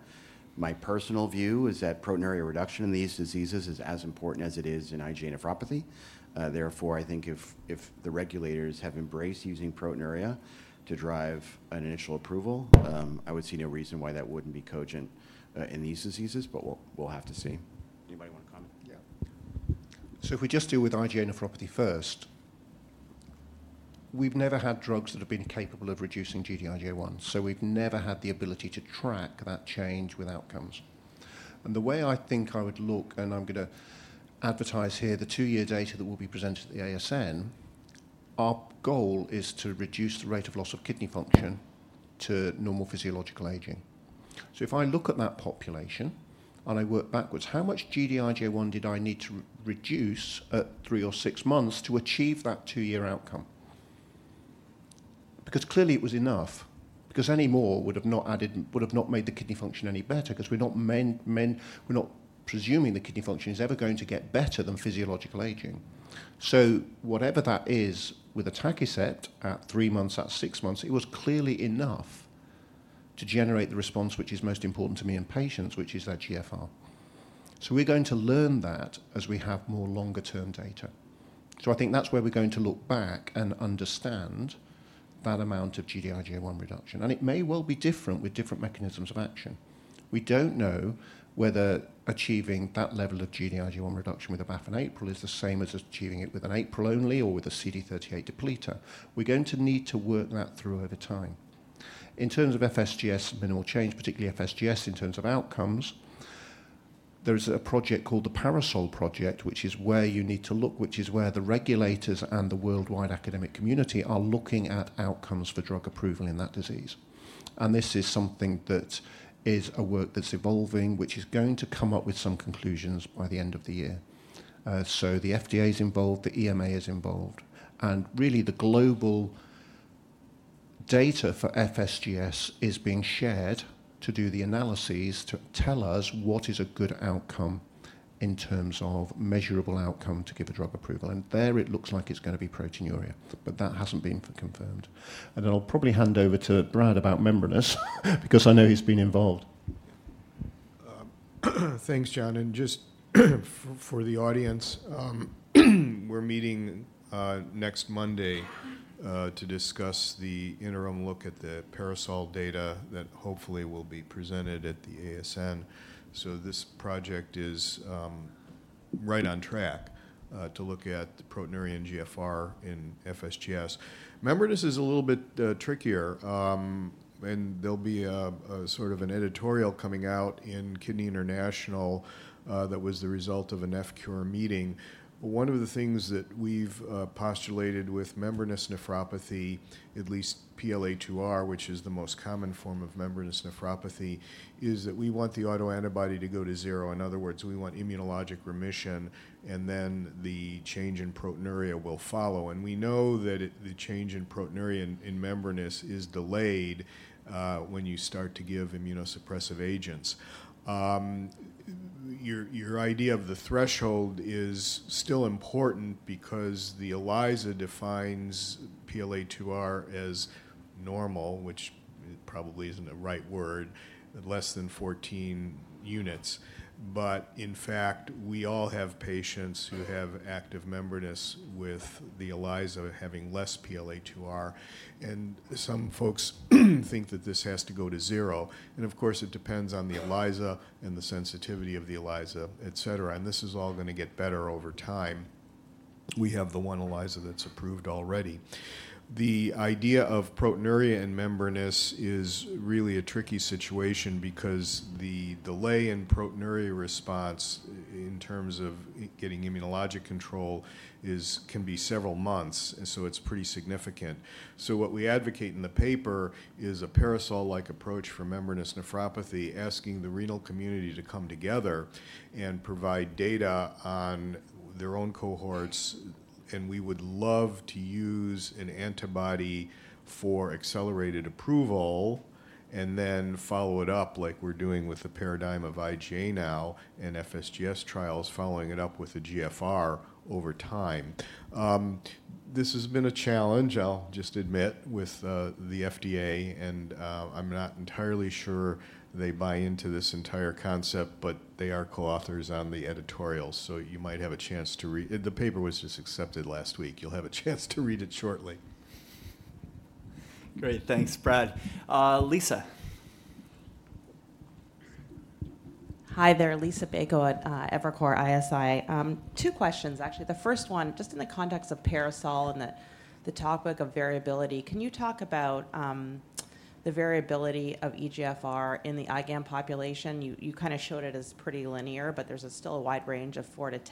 My personal view is that proteinuria reduction in these diseases is as important as it is in IgA nephropathy. Therefore, I think if the regulators have embraced using proteinuria to drive an initial approval, I would see no reason why that wouldn't be cogent in these diseases, but we'll have to see. Anybody want to comment? Yeah. So if we just deal with IgA nephropathy first, we've never had drugs that have been capable of reducing Gd-IgA1. So we've never had the ability to track that change with outcomes. And the way I think I would look, and I'm going to advocate here, the two-year data that will be presented at the ASN, our goal is to reduce the rate of loss of kidney function to normal physiological aging. So if I look at that population and I work backwards, how much Gd-IgA1 did I need to reduce at three or six months to achieve that two-year outcome? Because clearly it was enough, because any more would have not added, would have not made the kidney function any better, because we're not presuming the kidney function is ever going to get better than physiological aging. So whatever that is with Atacicept at three months, at six months, it was clearly enough to generate the response, which is most important to me in patients, which is their GFR. So we're going to learn that as we have more longer-term data. So I think that's where we're going to look back and understand that amount of Gd-IgA1 reduction. And it may well be different with different mechanisms of action. We don't know whether achieving that level of Gd-IgA1 reduction with a BAFF and APRIL is the same as achieving it with an APRIL only or with a CD20 depleter. We're going to need to work that through over time. In terms of FSGS minimal change, particularly FSGS in terms of outcomes, there is a project called the PARASOL project, which is where you need to look, which is where the regulators and the worldwide academic community are looking at outcomes for drug approval in that disease, and this is something that is a work that's evolving, which is going to come up with some conclusions by the end of the year, so the FDA is involved, the EMA is involved, and really, the global data for FSGS is being shared to do the analyses to tell us what is a good outcome in terms of measurable outcome to give a drug approval, and there it looks like it's going to be proteinuria, but that hasn't been confirmed, and then I'll probably hand over to Brad about membranous, because I know he's been involved. Thanks, John. And just for the audience, we're meeting next Monday to discuss the interim look at the PARASOL data that hopefully will be presented at the ASN. So this project is right on track to look at proteinuria and GFR in FSGS. Membranous is a little bit trickier. And there'll be a sort of an editorial coming out in Kidney International that was the result of an FCUR meeting. But one of the things that we've postulated with membranous nephropathy, at least PLA2R, which is the most common form of membranous nephropathy, is that we want the autoantibody to go to zero. In other words, we want immunologic remission, and then the change in proteinuria will follow. And we know that the change in proteinuria in membranous is delayed when you start to give immunosuppressive agents. Your idea of the threshold is still important because the ELISA defines PLA2R as normal, which probably isn't the right word, less than 14 units, but in fact, we all have patients who have active membranous with the ELISA having less PLA2R, and some folks think that this has to go to zero, and of course, it depends on the ELISA and the sensitivity of the ELISA, et cetera, and this is all going to get better over time. We have the one ELISA that's approved already. The idea of proteinuria and membranous is really a tricky situation because the delay in proteinuria response in terms of getting immunologic control can be several months, and so it's pretty significant, so what we advocate in the paper is a PARASOL-like approach for membranous nephropathy, asking the renal community to come together and provide data on their own cohorts. We would love to use an antibody for accelerated approval and then follow it up like we're doing with the paradigm of IgA now and FSGS trials, following it up with a GFR over time. This has been a challenge, I'll just admit, with the FDA, and I'm not entirely sure they buy into this entire concept, but they are co-authors on the editorial, so you might have a chance to read the paper was just accepted last week. You'll have a chance to read it shortly. Great. Thanks, Brad. Lisa. Hi there. Liisa Bayko at Evercore ISI. Two questions, actually. The first one, just in the context of Parasol and the topic of variability, can you talk about the variability of eGFR in the IgAN population? You kind of showed it as pretty linear, but there's still a wide range of 4-10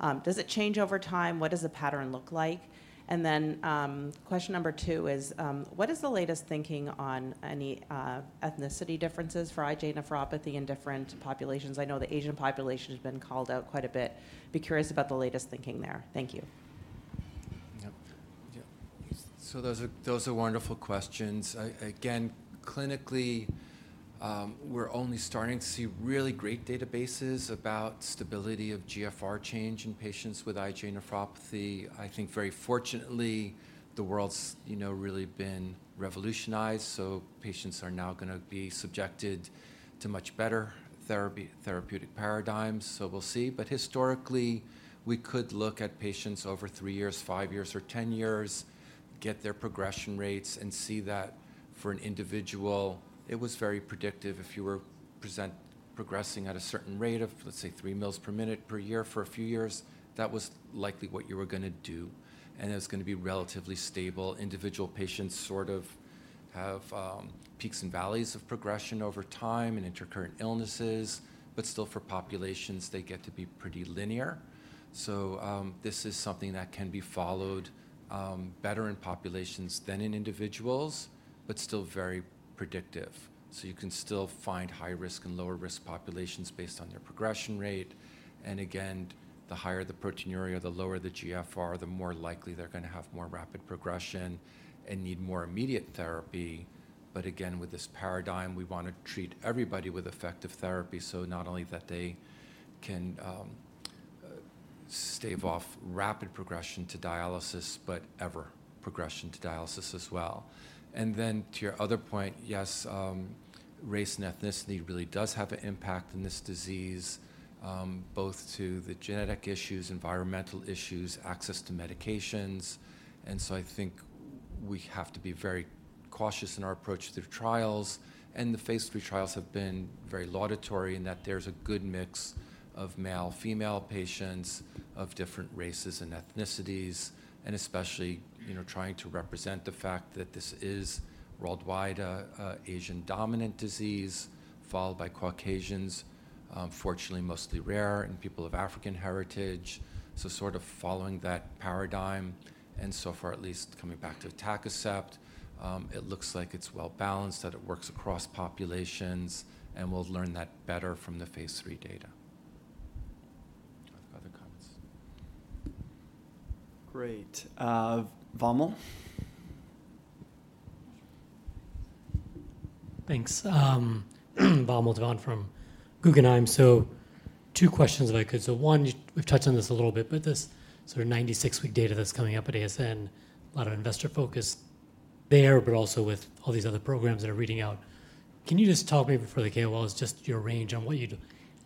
mL. Does it change over time? What does the pattern look like? And then question number two is, what is the latest thinking on any ethnicity differences for IgA Nephropathy in different populations? I know the Asian population has been called out quite a bit. I'm curious about the latest thinking there. Thank you. Yeah. So those are wonderful questions. Again, clinically, we're only starting to see really great databases about stability of GFR change in patients with IgA nephropathy. I think very fortunately, the world's really been revolutionized. So patients are now going to be subjected to much better therapeutic paradigms. So we'll see. But historically, we could look at patients over three years, five years, or 10 years, get their progression rates, and see that for an individual, it was very predictive. If you were progressing at a certain rate of, let's say, three ml per minute per year for a few years, that was likely what you were going to do. And it was going to be relatively stable. Individual patients sort of have peaks and valleys of progression over time and intercurrent illnesses. But still, for populations, they get to be pretty linear. This is something that can be followed better in populations than in individuals, but still very predictive. You can still find high-risk and lower-risk populations based on their progression rate. Again, the higher the proteinuria, the lower the GFR, the more likely they're going to have more rapid progression and need more immediate therapy. Again, with this paradigm, we want to treat everybody with effective therapy. Not only that they can stave off rapid progression to dialysis, but ever progression to dialysis as well. To your other point, yes, race and ethnicity really does have an impact in this disease, both to the genetic issues, environmental issues, access to medications. So I think we have to be very cautious in our approach to the trials. And the phase 3 trials have been very laudatory in that there's a good mix of male-female patients of different races and ethnicities, and especially trying to represent the fact that this is worldwide an Asian-dominant disease followed by Caucasians, fortunately mostly rare, and people of African heritage. So sort of following that paradigm, and so far, at least coming back to atacicept, it looks like it's well-balanced, that it works across populations. And we'll learn that better from the phase 3 data. Other comments? Great. Vamil? Thanks. Vamil Divan from Guggenheim. So two questions, if I could. So one, we've touched on this a little bit, but this sort of 96-week data that's coming up at ASN, a lot of investor focus there, but also with all these other programs that are reading out. Can you just talk maybe for the KOLs just your range on what you'd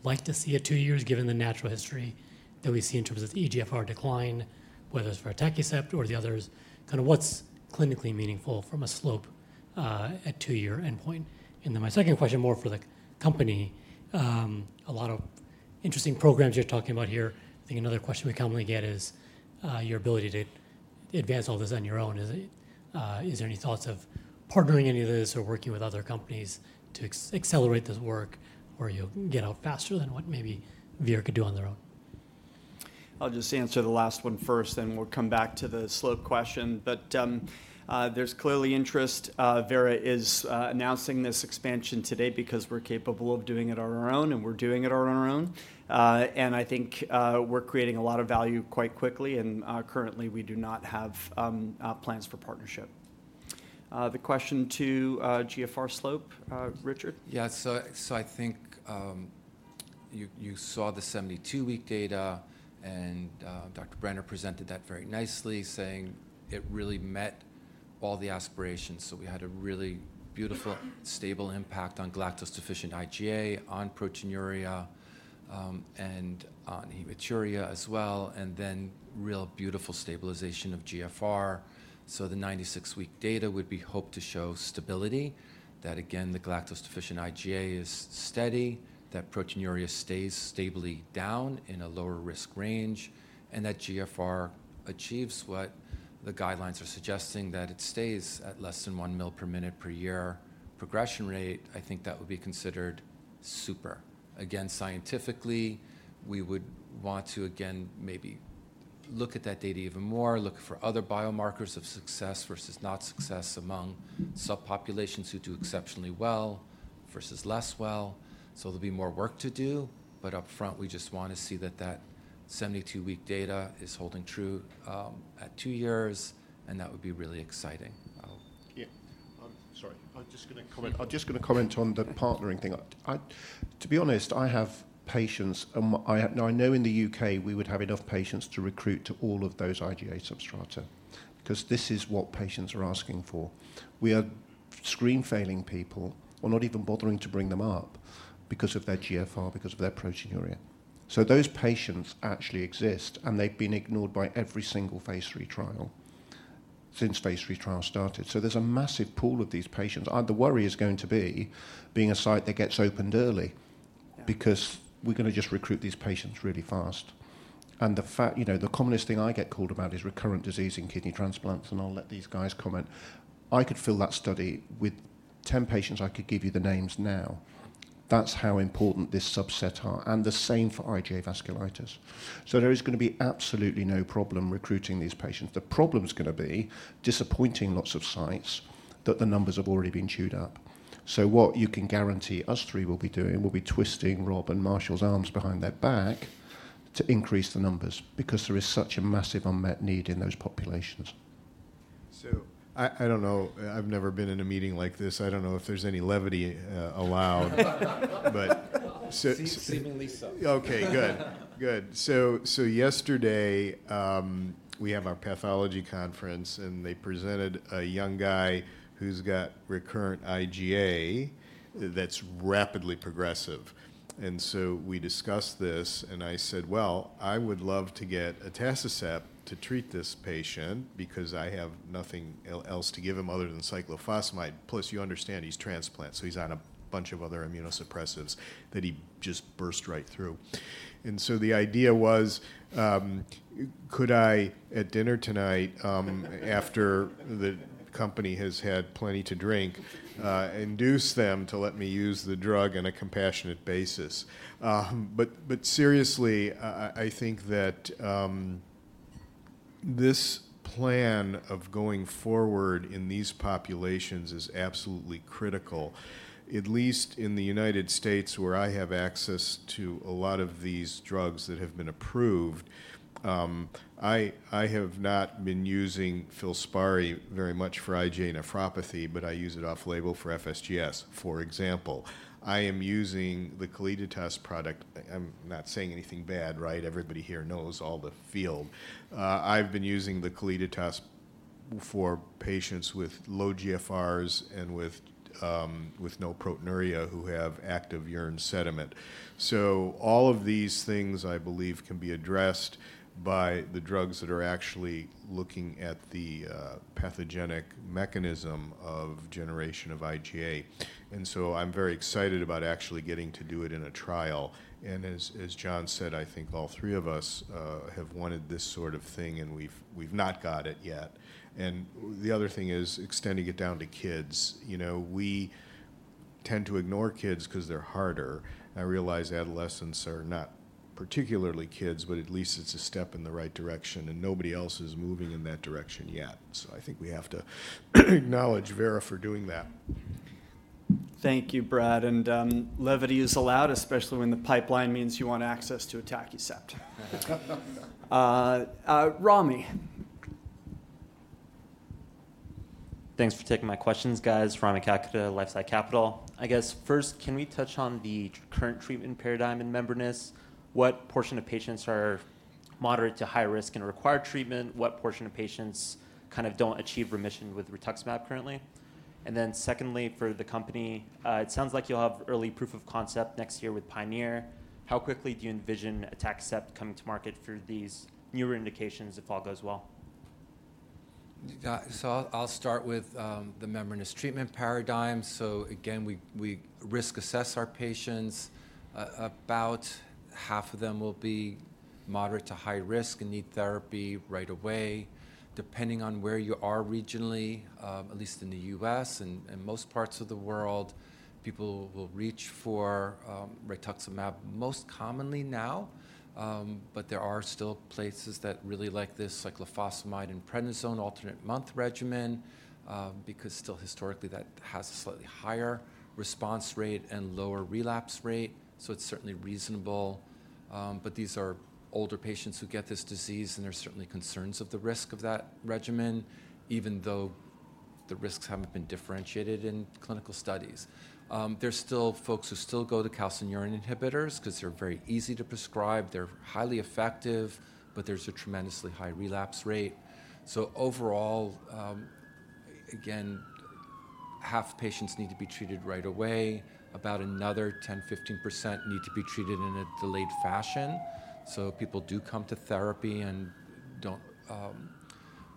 like to see at two years, given the natural history that we see in terms of eGFR decline, whether it's for Atacicept or the others? Kind of what's clinically meaningful from a slope at two-year endpoint? And then my second question, more for the company. A lot of interesting programs you're talking about here. I think another question we commonly get is your ability to advance all this on your own. Is there any thoughts of partnering any of this or working with other companies to accelerate this work where you'll get out faster than what maybe Vera could do on their own? I'll just answer the last one first, and we'll come back to the slope question, but there's clearly interest. Vera is announcing this expansion today because we're capable of doing it on our own, and we're doing it on our own. I think we're creating a lot of value quite quickly. Currently, we do not have plans for partnership. The question to GFR slope, Richard? Yeah. So I think you saw the 72-week data. And Dr. Brenner presented that very nicely, saying it really met all the aspirations. So we had a really beautiful, stable impact on galactose-deficient IgA, on proteinuria, and on hematuria as well, and then real beautiful stabilization of GFR. So the 96-week data would be hoped to show stability, that again, the galactose-deficient IgA is steady, that proteinuria stays stably down in a lower-risk range, and that GFR achieves what the guidelines are suggesting, that it stays at less than one ml per minute per year progression rate. I think that would be considered super. Again, scientifically, we would want to, again, maybe look at that data even more, look for other biomarkers of success versus not success among subpopulations who do exceptionally well versus less well. So there'll be more work to do. But upfront, we just want to see that that 72-week data is holding true at two years. And that would be really exciting. Yeah. Sorry. I'm just going to comment on the partnering thing. To be honest, I have patients. Now, I know in the UK, we would have enough patients to recruit to all of those IgA substrata, because this is what patients are asking for. We are screen-failing people. We're not even bothering to bring them up because of their GFR, because of their proteinuria. So those patients actually exist, and they've been ignored by every single phase three trial since phase three trials started. So there's a massive pool of these patients. The worry is going to be being a site that gets opened early, because we're going to just recruit these patients really fast. And the commonest thing I get called about is recurrent disease in kidney transplants. And I'll let these guys comment. I could fill that study with 10 patients. I could give you the names now. That's how important this subset are. And the same for IgA vasculitis. So there is going to be absolutely no problem recruiting these patients. The problem's going to be disappointing lots of sites that the numbers have already been chewed up. So what you can guarantee us three will be doing will be twisting Rob and Marshall's arms behind their back to increase the numbers, because there is such a massive unmet need in those populations. So I don't know. I've never been in a meeting like this. I don't know if there's any levity allowed, but. Seemingly so. Okay. Good. Good. So yesterday, we have our pathology conference, and they presented a young guy who's got recurrent IgA that's rapidly progressive, and so we discussed this, and I said, well, I would love to get Atacicept to treat this patient, because I have nothing else to give him other than cyclophosphamide. Plus, you understand he's transplant, so he's on a bunch of other immunosuppressives that he just burst right through, and so the idea was, could I, at dinner tonight, after the company has had plenty to drink, induce them to let me use the drug on a compassionate basis? But seriously, I think that this plan of going forward in these populations is absolutely critical, at least in the United States, where I have access to a lot of these drugs that have been approved. I have not been using Filspari very much for IgA nephropathy, but I use it off-label for FSGS, for example. I am using the Calliditas product. I'm not saying anything bad, right? Everybody here knows all the field. I've been using the Calliditas for patients with low GFRs and with no proteinuria who have active urine sediment. So all of these things, I believe, can be addressed by the drugs that are actually looking at the pathogenic mechanism of generation of IgA. And so I'm very excited about actually getting to do it in a trial. And as John said, I think all three of us have wanted this sort of thing, and we've not got it yet. And the other thing is extending it down to kids. We tend to ignore kids because they're harder. I realize adolescents are not particularly kids, but at least it's a step in the right direction, and nobody else is moving in that direction yet, so I think we have to acknowledge Vera for doing that. Thank you, Brad. And levity is allowed, especially when the pipeline means you want access to atacicept. Rami. Thanks for taking my questions, guys. Rami Katkhuda, LifeSci Capital. I guess first, can we touch on the current treatment paradigm in membranous? What portion of patients are moderate to high-risk and require treatment? What portion of patients kind of don't achieve remission with rituximab currently? And then secondly, for the company, it sounds like you'll have early proof of concept next year with Pioneer. How quickly do you envision Atacicept coming to market for these newer indications if all goes well? So I'll start with the membranous treatment paradigm. So again, we risk assess our patients. About half of them will be moderate to high-risk and need therapy right away. Depending on where you are regionally, at least in the U.S. and most parts of the world, people will reach for Rituximab most commonly now. But there are still places that really like this, Cyclophosphamide and Prednisone alternate month regimen, because still historically that has a slightly higher response rate and lower relapse rate. So it's certainly reasonable. But these are older patients who get this disease, and there's certainly concerns of the risk of that regimen, even though the risks haven't been differentiated in clinical studies. There's still folks who still go to calcineurin inhibitors because they're very easy to prescribe. They're highly effective, but there's a tremendously high relapse rate. So overall, again, half of patients need to be treated right away. About another 10%-15% need to be treated in a delayed fashion. So people do come to therapy and don't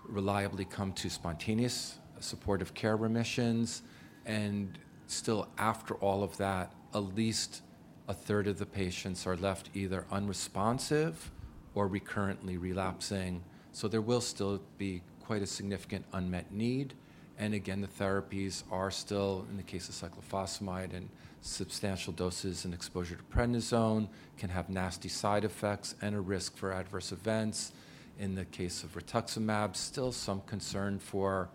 reliably come to spontaneous supportive care remissions. And still, after all of that, at least a third of the patients are left either unresponsive or recurrently relapsing. So there will still be quite a significant unmet need. And again, the therapies are still, in the case of cyclophosphamide and substantial doses and exposure to prednisone, can have nasty side effects and a risk for adverse events. In the case of rituximab, still some concern for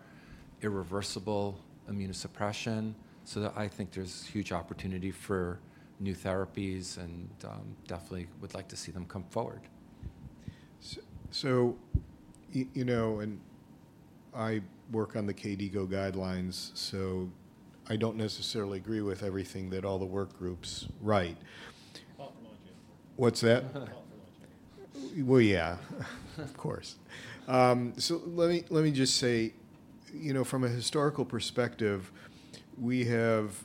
irreversible immunosuppression. So I think there's huge opportunity for new therapies and definitely would like to see them come forward. I work on the KDIGO guidelines, so I don't necessarily agree with everything that all the work groups write. Thought for launching. What's that? Thought for launching. Yeah, of course. So let me just say, from a historical perspective, we have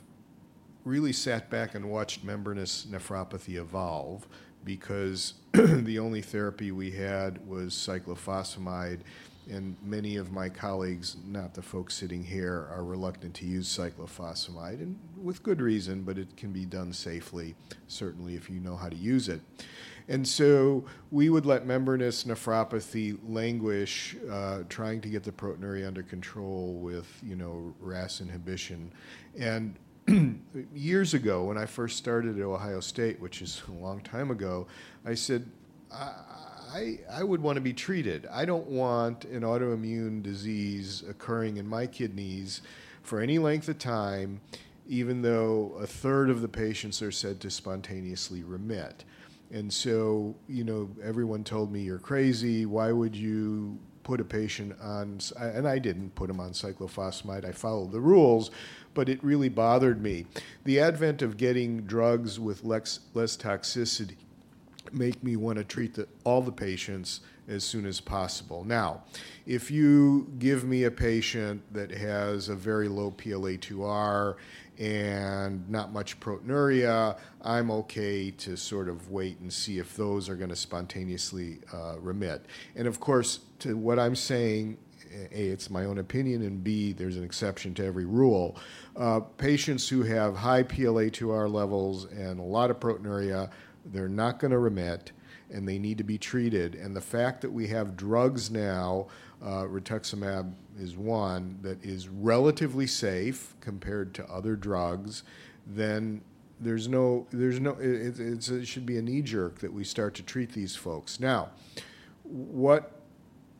really sat back and watched membranous nephropathy evolve, because the only therapy we had was cyclophosphamide. And many of my colleagues, not the folks sitting here, are reluctant to use cyclophosphamide, and with good reason, but it can be done safely, certainly, if you know how to use it. And so we would let membranous nephropathy languish, trying to get the proteinuria under control with RAS inhibition. And years ago, when I first started at Ohio State, which is a long time ago, I said, "I would want to be treated. I don't want an autoimmune disease occurring in my kidneys for any length of time, even though a third of the patients are said to spontaneously remit." And so everyone told me, "You're crazy. Why would you put a patient on?" And I didn't put him on Cyclophosphamide. I followed the rules, but it really bothered me. The advent of getting drugs with less toxicity makes me want to treat all the patients as soon as possible. Now, if you give me a patient that has a very low PLA2R and not much proteinuria, I'm okay to sort of wait and see if those are going to spontaneously remit. And of course, to what I'm saying, A, it's my own opinion, and B, there's an exception to every rule. Patients who have high PLA2R levels and a lot of proteinuria, they're not going to remit, and they need to be treated. And the fact that we have drugs now, Rituximab is one, that is relatively safe compared to other drugs, then there's no, it should be a knee-jerk that we start to treat these folks. Now, what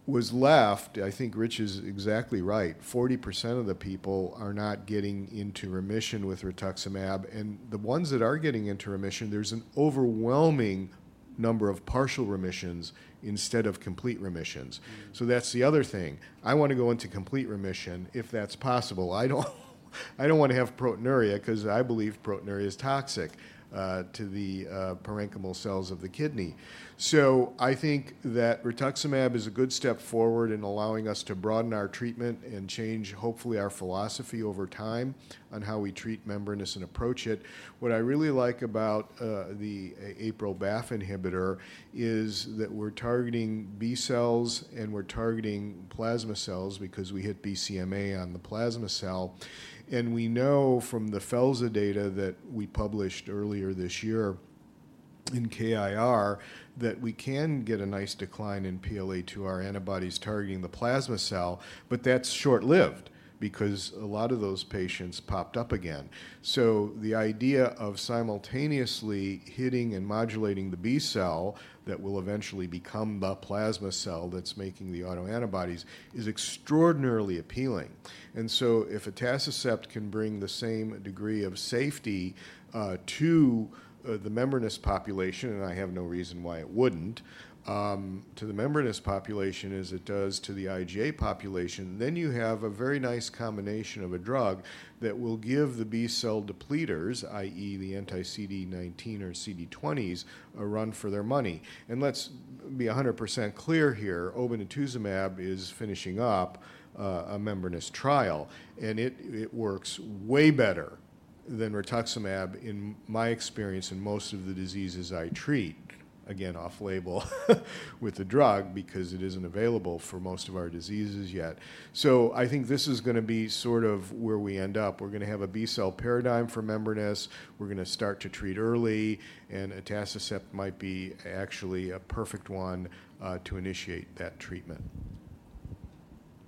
was left, I think Rich is exactly right, 40% of the people are not getting into remission with rituximab. And the ones that are getting into remission, there's an overwhelming number of partial remissions instead of complete remissions. So that's the other thing. I want to go into complete remission if that's possible. I don't want to have proteinuria, because I believe proteinuria is toxic to the parenchymal cells of the kidney. So I think that rituximab is a good step forward in allowing us to broaden our treatment and change, hopefully, our philosophy over time on how we treat membranous and approach it. What I really like about the BAFF/APRIL inhibitor is that we're targeting B cells, and we're targeting plasma cells, because we hit BCMA on the plasma cell. We know from the FELSA data that we published earlier this year in KIR that we can get a nice decline in PLA2R antibodies targeting the plasma cell, but that's short-lived, because a lot of those patients popped up again. The idea of simultaneously hitting and modulating the B cell that will eventually become the plasma cell that's making the autoantibodies is extraordinarily appealing. If Atacicept can bring the same degree of safety to the membranous population, and I have no reason why it wouldn't, to the membranous population as it does to the IgA population, then you have a very nice combination of a drug that will give the B cell depleters, i.e., the anti-CD19 or CD20s, a run for their money. Let's be 100% clear here. Obinutuzumab is finishing up a membranous trial. And it works way better than rituximab, in my experience, in most of the diseases I treat, again, off-label with the drug, because it isn't available for most of our diseases yet. So I think this is going to be sort of where we end up. We're going to have a B cell paradigm for membranous. We're going to start to treat early. And Atacicept might be actually a perfect one to initiate that treatment.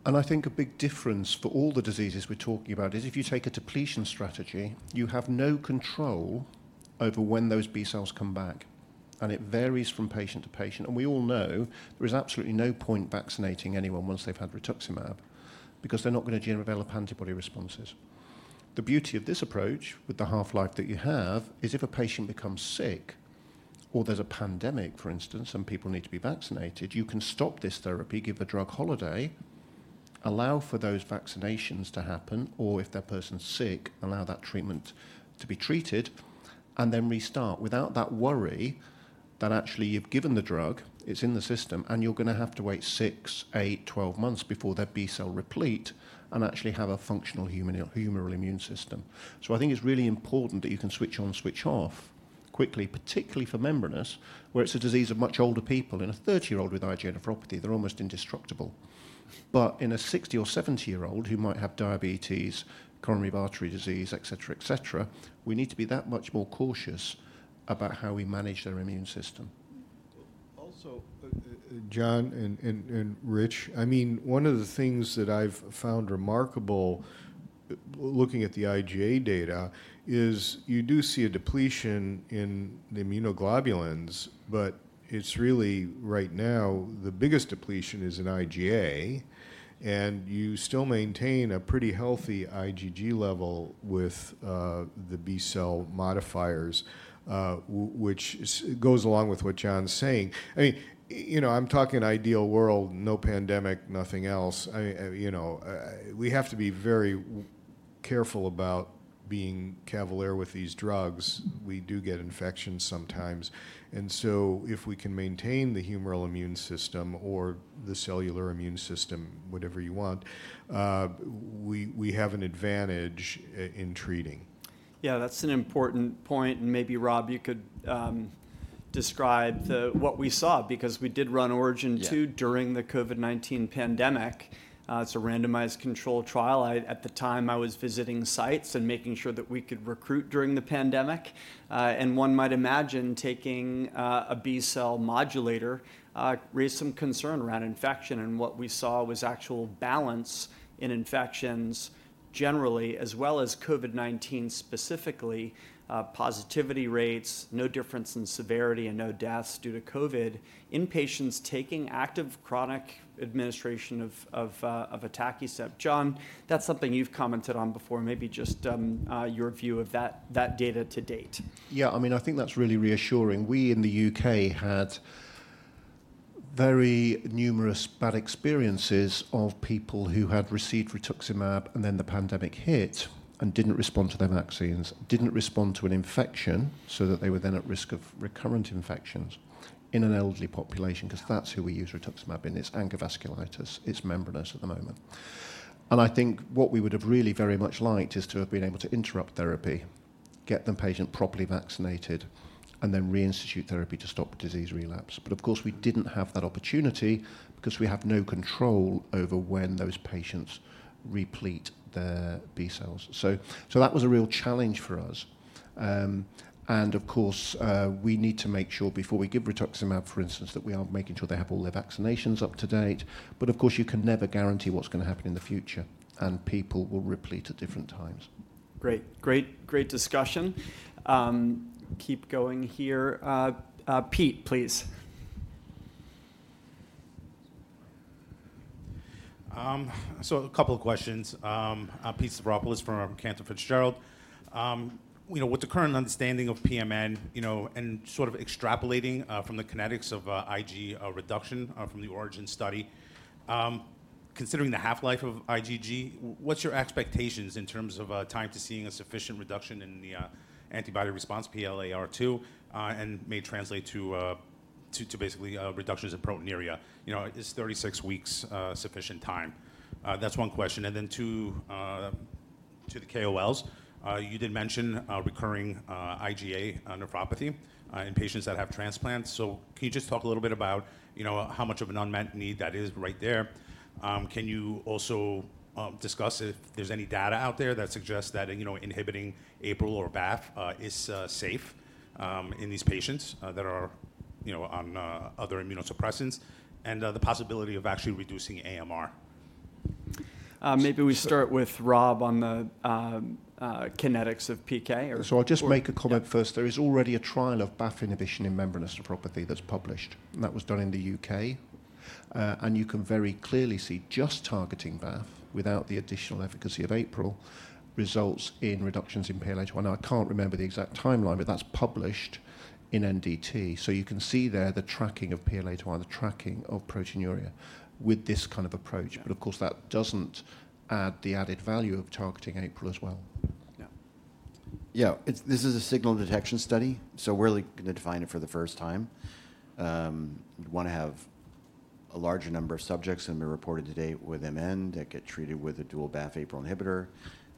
And I think a big difference for all the diseases we're talking about is if you take a depletion strategy, you have no control over when those B cells come back. And it varies from patient to patient. And we all know there is absolutely no point vaccinating anyone once they've had Rituximab, because they're not going to generate antibody responses. The beauty of this approach, with the half-life that you have, is if a patient becomes sick or there's a pandemic, for instance, and people need to be vaccinated, you can stop this therapy, give the drug holiday, allow for those vaccinations to happen, or if that person's sick, allow that treatment to be treated, and then restart without that worry that actually you've given the drug, it's in the system, and you're going to have to wait six, eight, 12 months before their B cell replete and actually have a functional humoral immune system. So I think it's really important that you can switch on, switch off quickly, particularly for membranous, where it's a disease of much older people. In a 30-year-old with IgA nephropathy, they're almost indestructible. But in a 60-year-old or 70-year-old who might have diabetes, coronary artery disease, et cetera, et cetera, we need to be that much more cautious about how we manage their immune system. Also, John and Rich, I mean, one of the things that I've found remarkable looking at the IgA data is you do see a depletion in the immunoglobulins, but it's really right now the biggest depletion is in IgA. And you still maintain a pretty healthy IgG level with the B cell modifiers, which goes along with what John's saying. I mean, I'm talking ideal world, no pandemic, nothing else. We have to be very careful about being cavalier with these drugs. We do get infections sometimes. And so if we can maintain the humoral immune system or the cellular immune system, whatever you want, we have an advantage in treating. Yeah, that's an important point, and maybe, Rob, you could describe what we saw, because we did run ORIGIN-2 during the COVID-19 pandemic. It's a randomized control trial. At the time, I was visiting sites and making sure that we could recruit during the pandemic, and one might imagine taking a B cell modulator raised some concern around infection, and what we saw was actual balance in infections generally, as well as COVID-19 specifically, positivity rates, no difference in severity and no deaths due to COVID in patients taking active chronic administration of atacicept. John, that's something you've commented on before, maybe just your view of that data to date. Yeah, I mean, I think that's really reassuring. We in the UK had very numerous bad experiences of people who had received Rituximab, and then the pandemic hit and didn't respond to their vaccines, didn't respond to an infection, so that they were then at risk of recurrent infections in an elderly population, because that's who we use Rituximab in. It's ANCA vasculitis. It's membranous at the moment. And I think what we would have really very much liked is to have been able to interrupt therapy, get the patient properly vaccinated, and then reinstitute therapy to stop disease relapse. But of course, we didn't have that opportunity, because we have no control over when those patients replete their B cells. So that was a real challenge for us. Of course, we need to make sure before we give Rituximab, for instance, that we are making sure they have all their vaccinations up to date. Of course, you can never guarantee what's going to happen in the future, and people will replete at different times. Great, great, great discussion. Keep going here. Pete, please. So a couple of questions. Pete Stavropoulos from Cantor Fitzgerald. With the current understanding of PMN and sort of extrapolating from the kinetics of IgA reduction from the ORIGIN study, considering the half-life of IgG, what's your expectations in terms of time to seeing a sufficient reduction in the antibody response, PLA2R, and may translate to basically reductions in proteinuria? Is 36 weeks sufficient time? That's one question. And then to the KOLs, you did mention recurring IgA nephropathy in patients that have transplants. So can you just talk a little bit about how much of an unmet need that is right there? Can you also discuss if there's any data out there that suggests that inhibiting APRIL or BAFF is safe in these patients that are on other immunosuppressants and the possibility of actually reducing AMR? Maybe we start with Rob on the kinetics of PK. I'll just make a comment first. There is already a trial of BAFF inhibition in membranous nephropathy that's published. And that was done in the UK. And you can very clearly see just targeting BAFF without the additional efficacy of APRIL results in reductions in PLA2R. Now, I can't remember the exact timeline, but that's published in NDT. So you can see there the tracking of PLA2R, the tracking of proteinuria with this kind of approach. But of course, that doesn't add the added value of targeting APRIL as well. Yeah. Yeah, this is a signal detection study, so we're going to define it for the first time. We want to have a larger number of subjects than have been reported to date with MN that get treated with a dual BAFF APRIL inhibitor,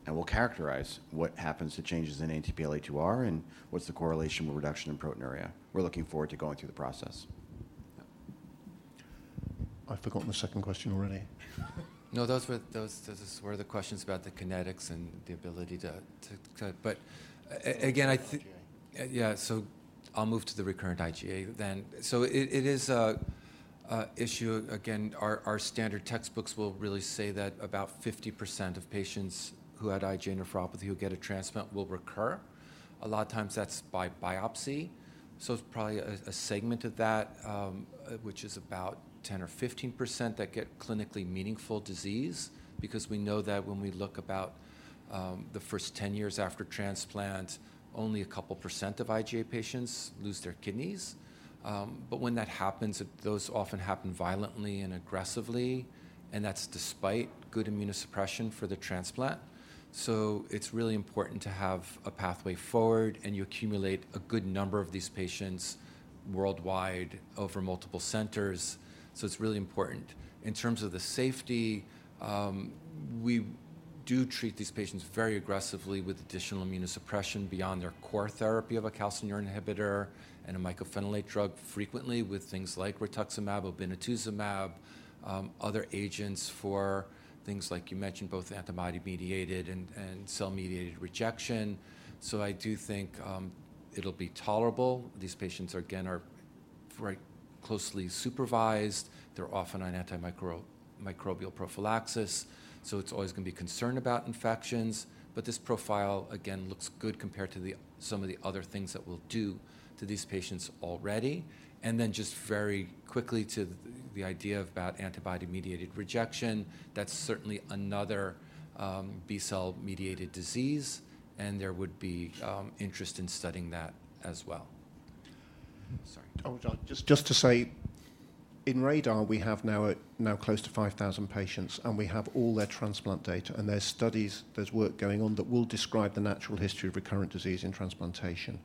and we'll characterize what happens to changes in anti-PLA2R and what's the correlation with reduction in proteinuria. We're looking forward to going through the process. I've forgotten the second question already. No, those were the questions about the kinetics and the ability to, but again, I think, yeah, so I'll move to the recurrent IgA then, so it is an issue. Again, our standard textbooks will really say that about 50% of patients who had IgA nephropathy who get a transplant will recur. A lot of times that's by biopsy, so it's probably a segment of that, which is about 10% or 15% that get clinically meaningful disease, because we know that when we look about the first 10 years after transplant, only a couple % of IgA patients lose their kidneys, but when that happens, those often happen violently and aggressively, and that's despite good immunosuppression for the transplant, so it's really important to have a pathway forward, and you accumulate a good number of these patients worldwide over multiple centers, so it's really important. In terms of the safety, we do treat these patients very aggressively with additional immunosuppression beyond their core therapy of a calcineurin inhibitor and a Mycophenolate drug, frequently with things like Rituximab, Obinutuzumab, other agents for things like you mentioned both antibody-mediated and cell-mediated rejection. So I do think it'll be tolerable. These patients, again, are very closely supervised. They're often on antimicrobial prophylaxis. So it's always going to be a concern about infections. But this profile, again, looks good compared to some of the other things that we'll do to these patients already. And then just very quickly to the idea about antibody-mediated rejection, that's certainly another B-cell-mediated disease. And there would be interest in studying that as well. Sorry. Just to say, in RaDaR, we have now close to 5,000 patients. And we have all their transplant data. And there's studies, there's work going on that will describe the natural history of recurrent disease in transplantation.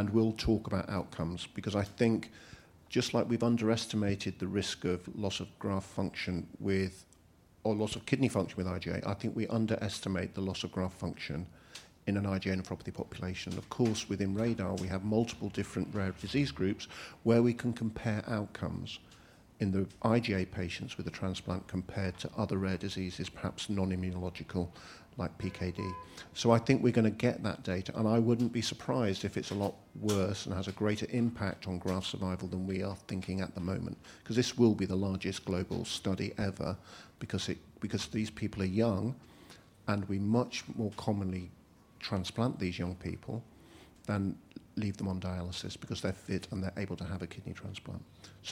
And we'll talk about outcomes, because I think just like we've underestimated the risk of loss of graft function or loss of kidney function with IgA, I think we underestimate the loss of graft function in an IgA nephropathy population. Of course, within RaDaR, we have multiple different rare disease groups where we can compare outcomes in the IgA patients with the transplant compared to other rare diseases, perhaps non-immunological like PKD. So I think we're going to get that data. I wouldn't be surprised if it's a lot worse and has a greater impact on graft survival than we are thinking at the moment, because this will be the largest global study ever, because these people are young. We much more commonly transplant these young people than leave them on dialysis, because they're fit and they're able to have a kidney transplant.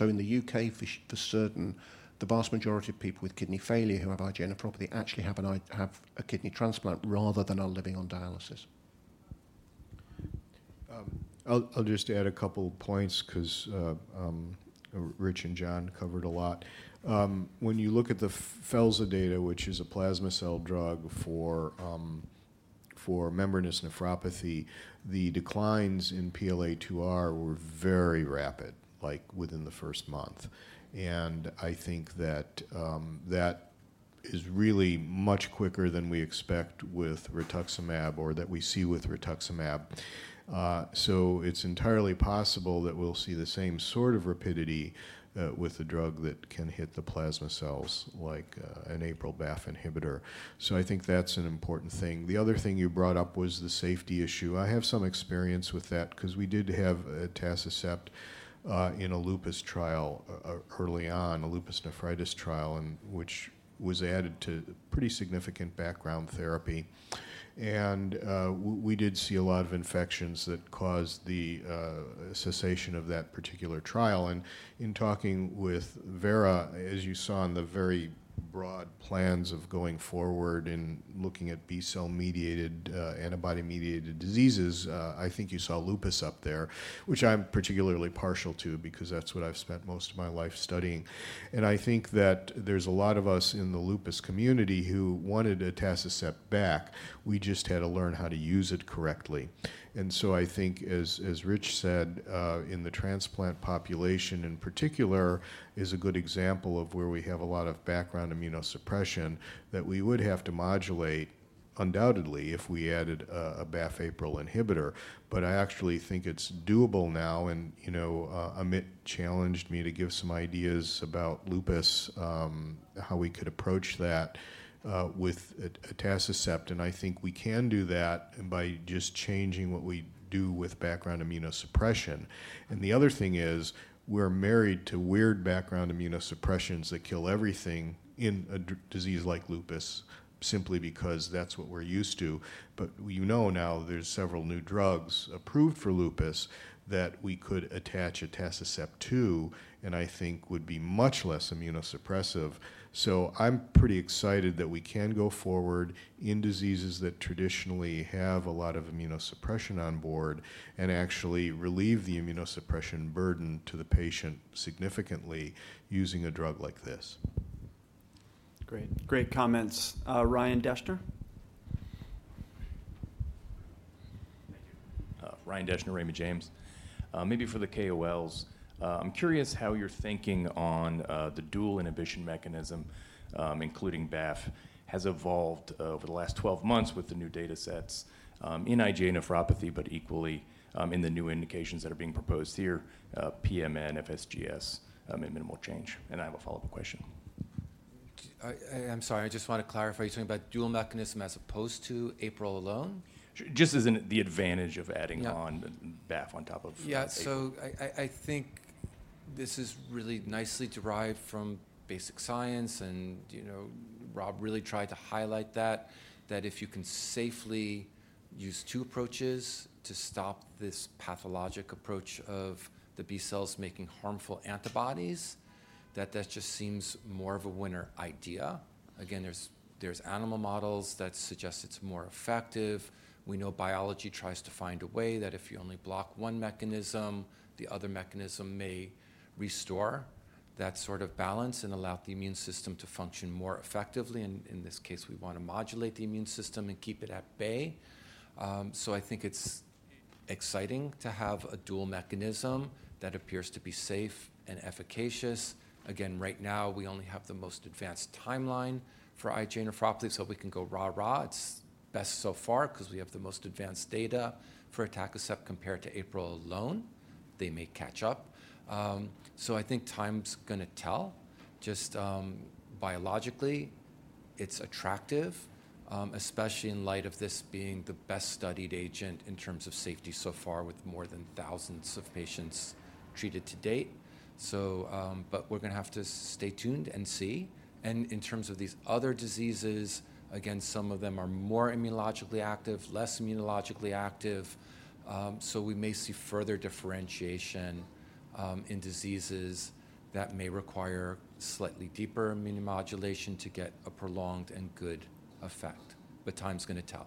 In the U.K., for certain, the vast majority of people with kidney failure who have IgA nephropathy actually have a kidney transplant rather than are living on dialysis. I'll just add a couple points, because Rich and John covered a lot. When you look at the felzartamab data, which is a plasma cell drug for membranous nephropathy, the declines in PLA2R were very rapid, like within the first month. And I think that that is really much quicker than we expect with rituximab or that we see with rituximab. So it's entirely possible that we'll see the same sort of rapidity with a drug that can hit the plasma cells like an APRIL BAFF inhibitor. So I think that's an important thing. The other thing you brought up was the safety issue. I have some experience with that, because we did have an atacicept in a lupus trial early on, a lupus nephritis trial, which was added to pretty significant background therapy. And we did see a lot of infections that caused the cessation of that particular trial. And in talking with Vera, as you saw in the very broad plans of going forward in looking at B cell-mediated, antibody-mediated diseases, I think you saw lupus up there, which I'm particularly partial to, because that's what I've spent most of my life studying. And I think that there's a lot of us in the lupus community who wanted an atacicept back. We just had to learn how to use it correctly. And so I think, as Rich said, in the transplant population in particular is a good example of where we have a lot of background immunosuppression that we would have to modulate, undoubtedly, if we added a BAFF APRIL inhibitor. But I actually think it's doable now. And Amit challenged me to give some ideas about lupus, how we could approach that with an atacicept. I think we can do that by just changing what we do with background immunosuppression. The other thing is we're married to weird background immunosuppressions that kill everything in a disease like lupus, simply because that's what we're used to. But we know now there's several new drugs approved for lupus that we could attach an Atacicept to, and I think would be much less immunosuppressive. So I'm pretty excited that we can go forward in diseases that traditionally have a lot of immunosuppression on board and actually relieve the immunosuppression burden to the patient significantly using a drug like this. Great, great comments. Ryan Deschner? Ryan Deschner, Raymond James. Maybe for the KOLs, I'm curious how your thinking on the dual inhibition mechanism, including BAFF, has evolved over the last 12 months with the new data sets in IgA nephropathy, but equally in the new indications that are being proposed here, PMN, FSGS, and minimal change. And I have a follow-up question. I'm sorry. I just want to clarify. You're talking about dual mechanism as opposed to APRIL alone? Just as in the advantage of adding on BAFF on top of. Yeah, so I think this is really nicely derived from basic science, and Rob really tried to highlight that, that if you can safely use two approaches to stop this pathologic approach of the B cells making harmful antibodies, that that just seems more of a winner idea. Again, there's animal models that suggest it's more effective. We know biology tries to find a way that if you only block one mechanism, the other mechanism may restore that sort of balance and allow the immune system to function more effectively, and in this case, we want to modulate the immune system and keep it at bay, so I think it's exciting to have a dual mechanism that appears to be safe and efficacious. Again, right now, we only have the most advanced timeline for IgA nephropathy, so we can go rah-rah. It's best so far, because we have the most advanced data for atacicept compared to APRIL alone. They may catch up. So I think time's going to tell. Just biologically, it's attractive, especially in light of this being the best-studied agent in terms of safety so far with more than thousands of patients treated to date. But we're going to have to stay tuned and see. And in terms of these other diseases, again, some of them are more immunologically active, less immunologically active. So we may see further differentiation in diseases that may require slightly deeper immunomodulation to get a prolonged and good effect. But time's going to tell.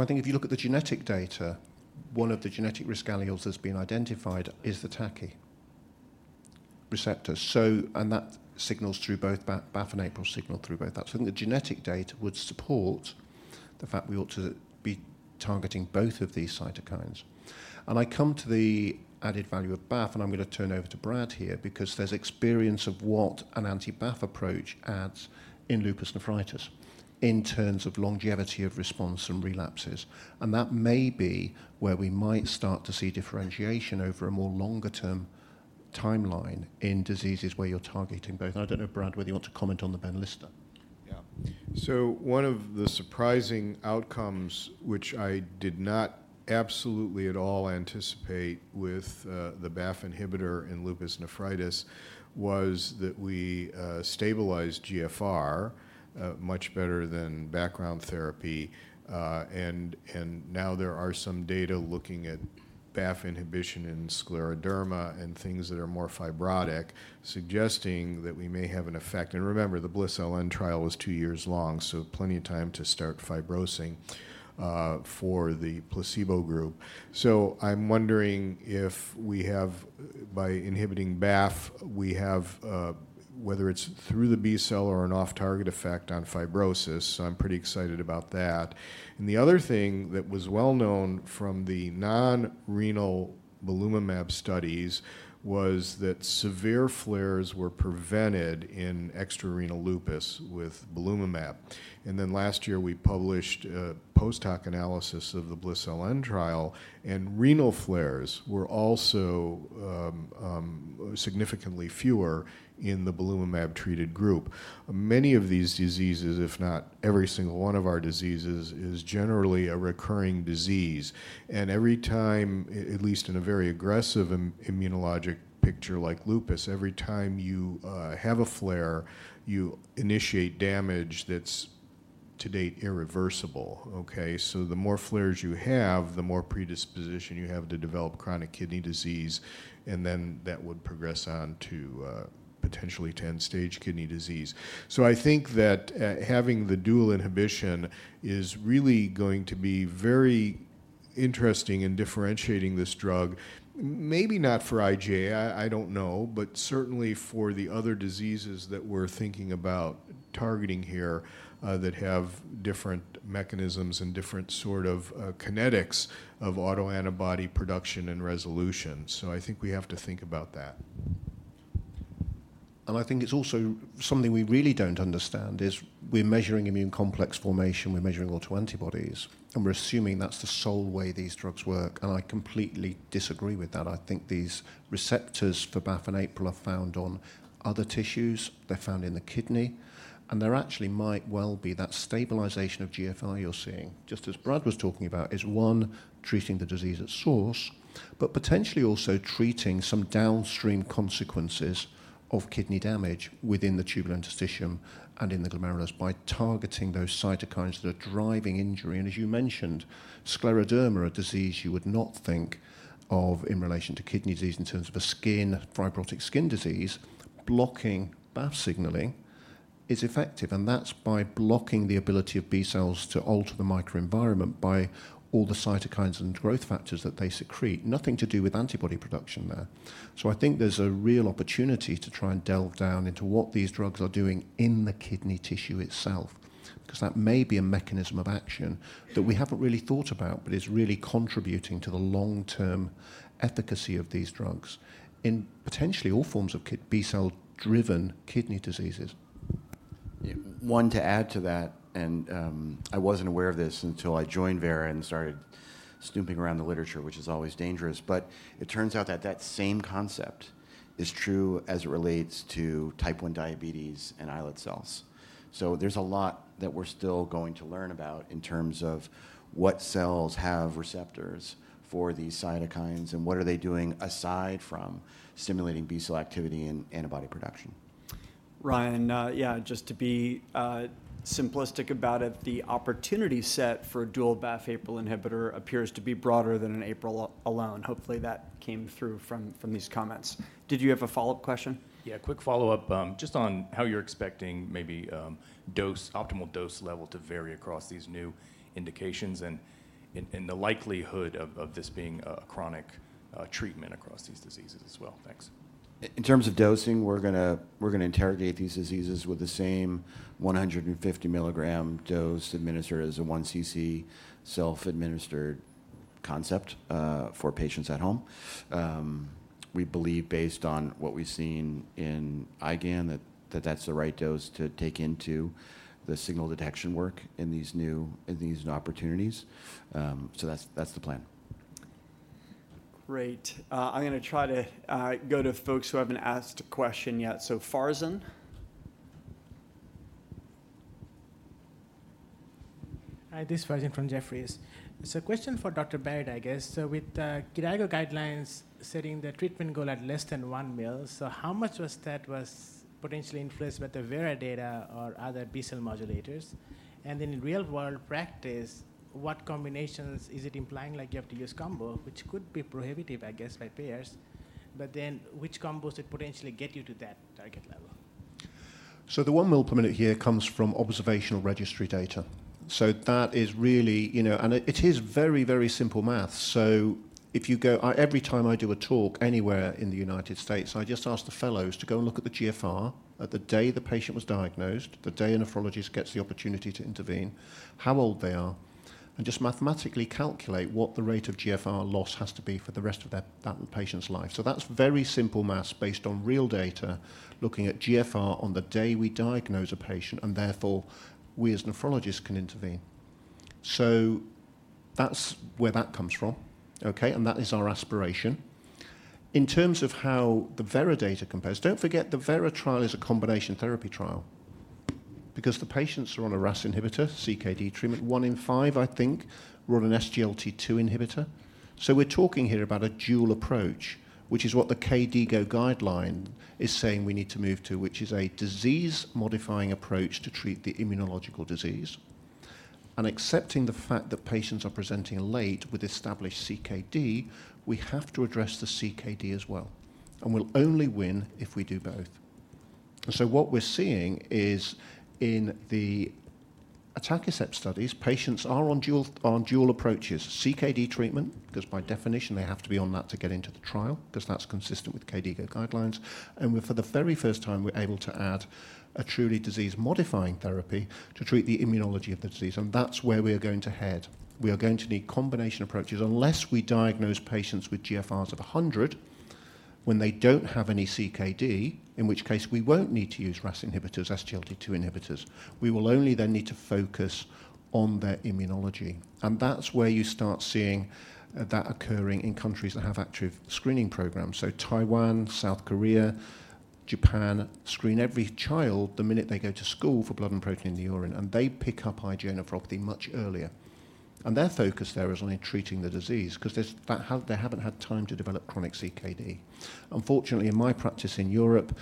I think if you look at the genetic data, one of the genetic risk alleles that's been identified is the TACI receptor. And that signals through both BAFF and APRIL signal through both that. I think the genetic data would support the fact we ought to be targeting both of these cytokines. I come to the added value of BAFF, and I'm going to turn over to Brad here, because there's experience of what an anti-BAFF approach adds in lupus nephritis in terms of longevity of response and relapses. That may be where we might start to see differentiation over a more longer-term timeline in diseases where you're targeting both. I don't know, Brad, whether you want to comment on the Benlysta. Yeah. So one of the surprising outcomes, which I did not absolutely at all anticipate with the BAFF inhibitor in lupus nephritis, was that we stabilized GFR much better than background therapy. And now there are some data looking at BAFF inhibition in scleroderma and things that are more fibrotic, suggesting that we may have an effect. And remember, the BLISS-LN trial was two years long, so plenty of time to start fibrosing for the placebo group. So I'm wondering if by inhibiting BAFF, whether it's through the B cell or an off-target effect on fibrosis. So I'm pretty excited about that. And the other thing that was well known from the non-renal belimumab studies was that severe flares were prevented in extrarenal lupus with belimumab. And then last year, we published a post-hoc analysis of the BLISS-LN trial. And renal flares were also significantly fewer in the belimumab-treated group. Many of these diseases, if not every single one of our diseases, is generally a recurring disease. And every time, at least in a very aggressive immunologic picture like lupus, every time you have a flare, you initiate damage that's to date irreversible. So the more flares you have, the more predisposition you have to develop chronic kidney disease. And then that would progress on to potentially end-stage kidney disease. So I think that having the dual inhibition is really going to be very interesting in differentiating this drug, maybe not for IgA. I don't know. But certainly for the other diseases that we're thinking about targeting here that have different mechanisms and different sort of kinetics of autoantibody production and resolution. So I think we have to think about that. And I think it's also something we really don't understand is we're measuring immune complex formation. We're measuring autoantibodies. And we're assuming that's the sole way these drugs work. And I completely disagree with that. I think these receptors for BAFF and APRIL are found on other tissues. They're found in the kidney. And there actually might well be that stabilization of GFR you're seeing, just as Brad was talking about, is one, treating the disease at source, but potentially also treating some downstream consequences of kidney damage within the tubular interstitium and in the glomerulus by targeting those cytokines that are driving injury. And as you mentioned, scleroderma is a disease you would not think of in relation to kidney disease in terms of a fibrotic skin disease. Blocking BAFF signaling is effective. That's by blocking the ability of B cells to alter the microenvironment by all the cytokines and growth factors that they secrete. Nothing to do with antibody production there. So I think there's a real opportunity to try and delve down into what these drugs are doing in the kidney tissue itself, because that may be a mechanism of action that we haven't really thought about, but is really contributing to the long-term efficacy of these drugs in potentially all forms of B cell-driven kidney diseases. One to add to that. And I wasn't aware of this until I joined Vera and started snooping around the literature, which is always dangerous. But it turns out that that same concept is true as it relates to type 1 diabetes and islet cells. So there's a lot that we're still going to learn about in terms of what cells have receptors for these cytokines and what are they doing aside from stimulating B cell activity and antibody production. Ryan, yeah, just to be simplistic about it, the opportunity set for dual BAFF APRIL inhibitor appears to be broader than an APRIL alone. Hopefully, that came through from these comments. Did you have a follow-up question? Yeah, quick follow-up just on how you're expecting maybe optimal dose level to vary across these new indications and the likelihood of this being a chronic treatment across these diseases as well? Thanks. In terms of dosing, we're going to interrogate these diseases with the same 150 mg dose administered as a 1 cc self-administered concept for patients at home. We believe, based on what we've seen in IgAN, that that's the right dose to take into the signal detection work in these new opportunities. So that's the plan. Great. I'm going to try to go to folks who haven't asked a question yet. So Farzan? Hi, this is Farzan from Jefferies. So, question for Dr. Barratt, I guess. So, with the KDIGO guidelines setting the treatment goal at less than one ml, so how much was that potentially influenced by the Vera data or other B cell modulators? And then, in real-world practice, what combinations is it implying? Like, you have to use combo, which could be prohibitive, I guess, by payers. But then, which combos would potentially get you to that target level? So the one ml per minute here comes from observational registry data. So that is really, you know, and it is very, very simple math. So if you go, every time I do a talk anywhere in the United States, I just ask the fellows to go and look at the GFR at the day the patient was diagnosed, the day a nephrologist gets the opportunity to intervene, how old they are, and just mathematically calculate what the rate of GFR loss has to be for the rest of that patient's life. So that's very simple math based on real data, looking at GFR on the day we diagnose a patient, and therefore we as nephrologists can intervene. So that's where that comes from. And that is our aspiration. In terms of how the Vera data compares, don't forget the Vera trial is a combination therapy trial, because the patients are on a RAS inhibitor, CKD treatment. One in five, I think, were on an SGLT2 inhibitor. So we're talking here about a dual approach, which is what the KDIGO guideline is saying we need to move to, which is a disease-modifying approach to treat the immunological disease. And accepting the fact that patients are presenting late with established CKD, we have to address the CKD as well. And we'll only win if we do both. So what we're seeing is in the Atacicept studies, patients are on dual approaches, CKD treatment, because by definition, they have to be on that to get into the trial, because that's consistent with KDIGO guidelines. For the very first time, we're able to add a truly disease-modifying therapy to treat the immunology of the disease. That's where we are going to head. We are going to need combination approaches. Unless we diagnose patients with GFRs of 100, when they don't have any CKD, in which case we won't need to use RAS inhibitors, SGLT2 inhibitors. We will only then need to focus on their immunology. That's where you start seeing that occurring in countries that have active screening programs. Taiwan, South Korea, Japan screen every child the minute they go to school for blood and protein in the urine. They pick up IgA nephropathy much earlier. Their focus there is only treating the disease, because they haven't had time to develop chronic CKD. Unfortunately, in my practice in Europe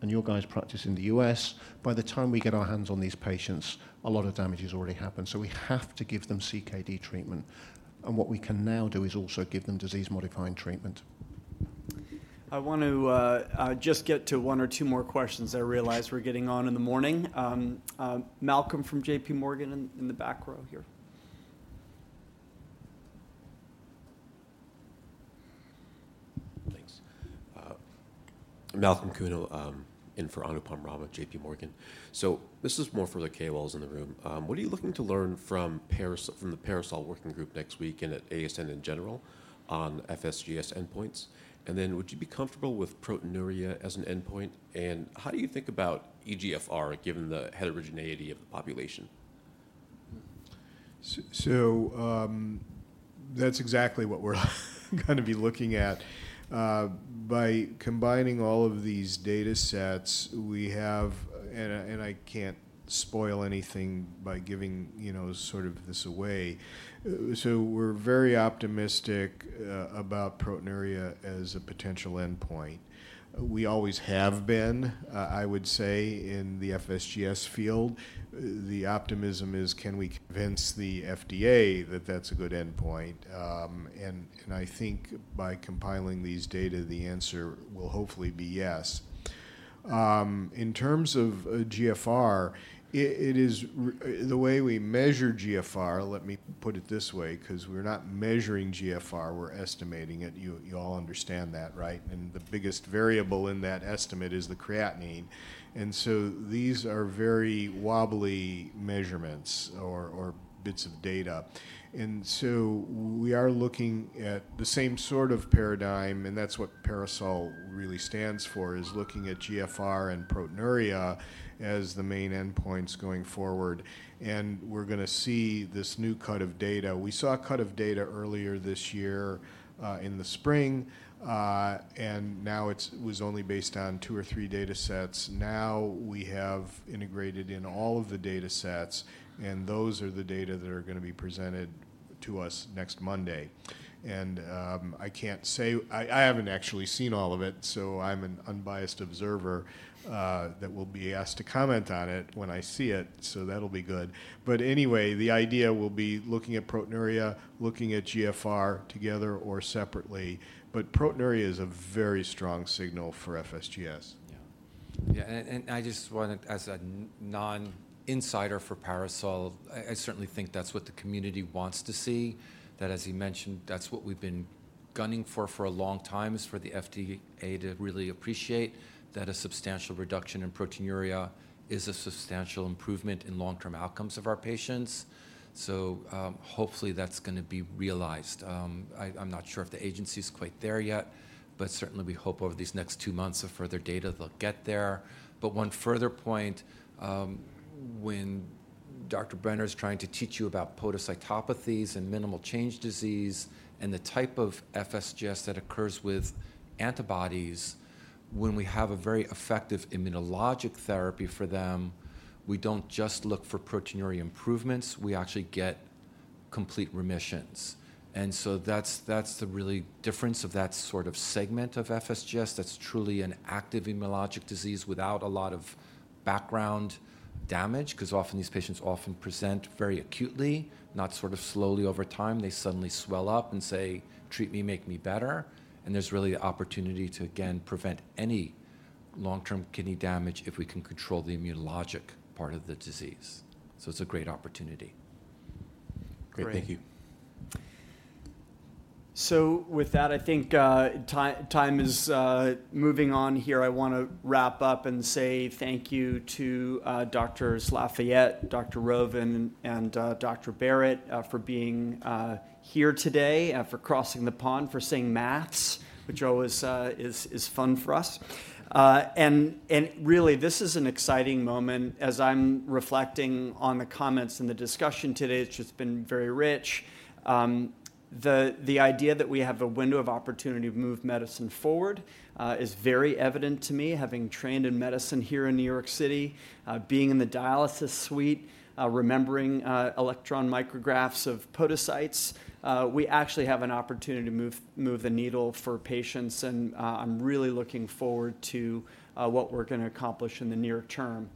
and your guys' practice in the U.S., by the time we get our hands on these patients, a lot of damage has already happened. So we have to give them CKD treatment. And what we can now do is also give them disease-modifying treatment. I want to just get to one or two more questions that I realize we're getting on in the morning. Malcolm from JPMorgan in the back row here. Thanks. Malcolm Kuno in for Anupam Rama, JPMorgan. So this is more for the KOLs in the room. What are you looking to learn from the PARASOL working group next week and at ASN in general on FSGS endpoints? And then would you be comfortable with proteinuria as an endpoint? And how do you think about eGFR given the heterogeneity of the population? So that's exactly what we're going to be looking at. By combining all of these data sets, we have, and I can't spoil anything by giving sort of this away, so we're very optimistic about proteinuria as a potential endpoint. We always have been, I would say, in the FSGS field. The optimism is, can we convince the FDA that that's a good endpoint? And I think by compiling these data, the answer will hopefully be yes. In terms of GFR, the way we measure GFR, let me put it this way, because we're not measuring GFR. We're estimating it. You all understand that, right? And the biggest variable in that estimate is the creatinine. And so these are very wobbly measurements or bits of data. And so we are looking at the same sort of paradigm. That's what PARASOL really stands for, is looking at GFR and proteinuria as the main endpoints going forward. We're going to see this new cut of data. We saw a cut of data earlier this year in the spring. Now it was only based on two or three data sets. Now we have integrated in all of the data sets. Those are the data that are going to be presented to us next Monday. I can't say I haven't actually seen all of it. I'm an unbiased observer that will be asked to comment on it when I see it. That'll be good. Anyway, the idea will be looking at proteinuria, looking at GFR together or separately. Proteinuria is a very strong signal for FSGS. Yeah. Yeah. And I just wanted, as a non-insider for PARASOL, I certainly think that's what the community wants to see, that, as you mentioned, that's what we've been gunning for for a long time, is for the FDA to really appreciate that a substantial reduction in proteinuria is a substantial improvement in long-term outcomes of our patients. So hopefully, that's going to be realized. I'm not sure if the agency is quite there yet. But certainly, we hope over these next two months of further data they'll get there. But one further point, when Dr. Brenner is trying to teach you about podocytopathies and minimal change disease and the type of FSGS that occurs with antibodies, when we have a very effective immunologic therapy for them, we don't just look for proteinuria improvements. We actually get complete remissions. And so that's the real difference of that sort of segment of FSGS that's truly an active immunologic disease without a lot of background damage, because often these patients present very acutely, not sort of slowly over time. They suddenly swell up and say, "Treat me, make me better." And there's really an opportunity to, again, prevent any long-term kidney damage if we can control the immunologic part of the disease. So it's a great opportunity. Great. Thank you. With that, I think time is moving on here. I want to wrap up and say thank you to Dr. Lafayette, Dr. Rovin, and Dr. Barratt for being here today, for crossing the pond, for saying maths, which always is fun for us. Really, this is an exciting moment. As I'm reflecting on the comments and the discussion today, it's just been very rich. The idea that we have a window of opportunity to move medicine forward is very evident to me, having trained in medicine here in New York City, being in the dialysis suite, remembering electron micrographs of podocytes. We actually have an opportunity to move the needle for patients. I'm really looking forward to what we're going to accomplish in the near term.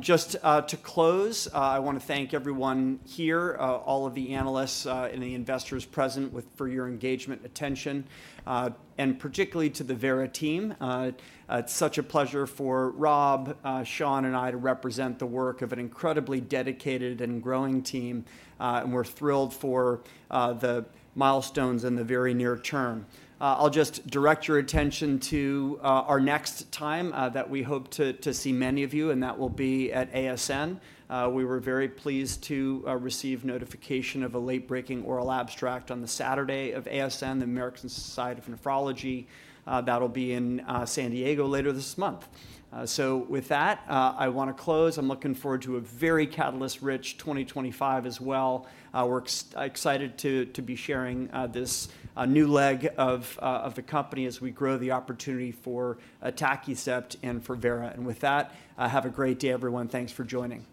Just to close, I want to thank everyone here, all of the analysts and the investors present for your engagement and attention, and particularly to the Vera team. It's such a pleasure for Rob, Sean, and I to represent the work of an incredibly dedicated and growing team, and we're thrilled for the milestones in the very near term. I'll just direct your attention to our next time that we hope to see many of you, and that will be at ASN. We were very pleased to receive notification of a late-breaking oral abstract on the Saturday of ASN, the American Society of Nephrology. That'll be in San Diego later this month, so with that, I want to close. I'm looking forward to a very catalyst-rich 2025 as well. We're excited to be sharing this new leg of the company as we grow the opportunity for atacicept and for Vera. With that, have a great day, everyone. Thanks for joining.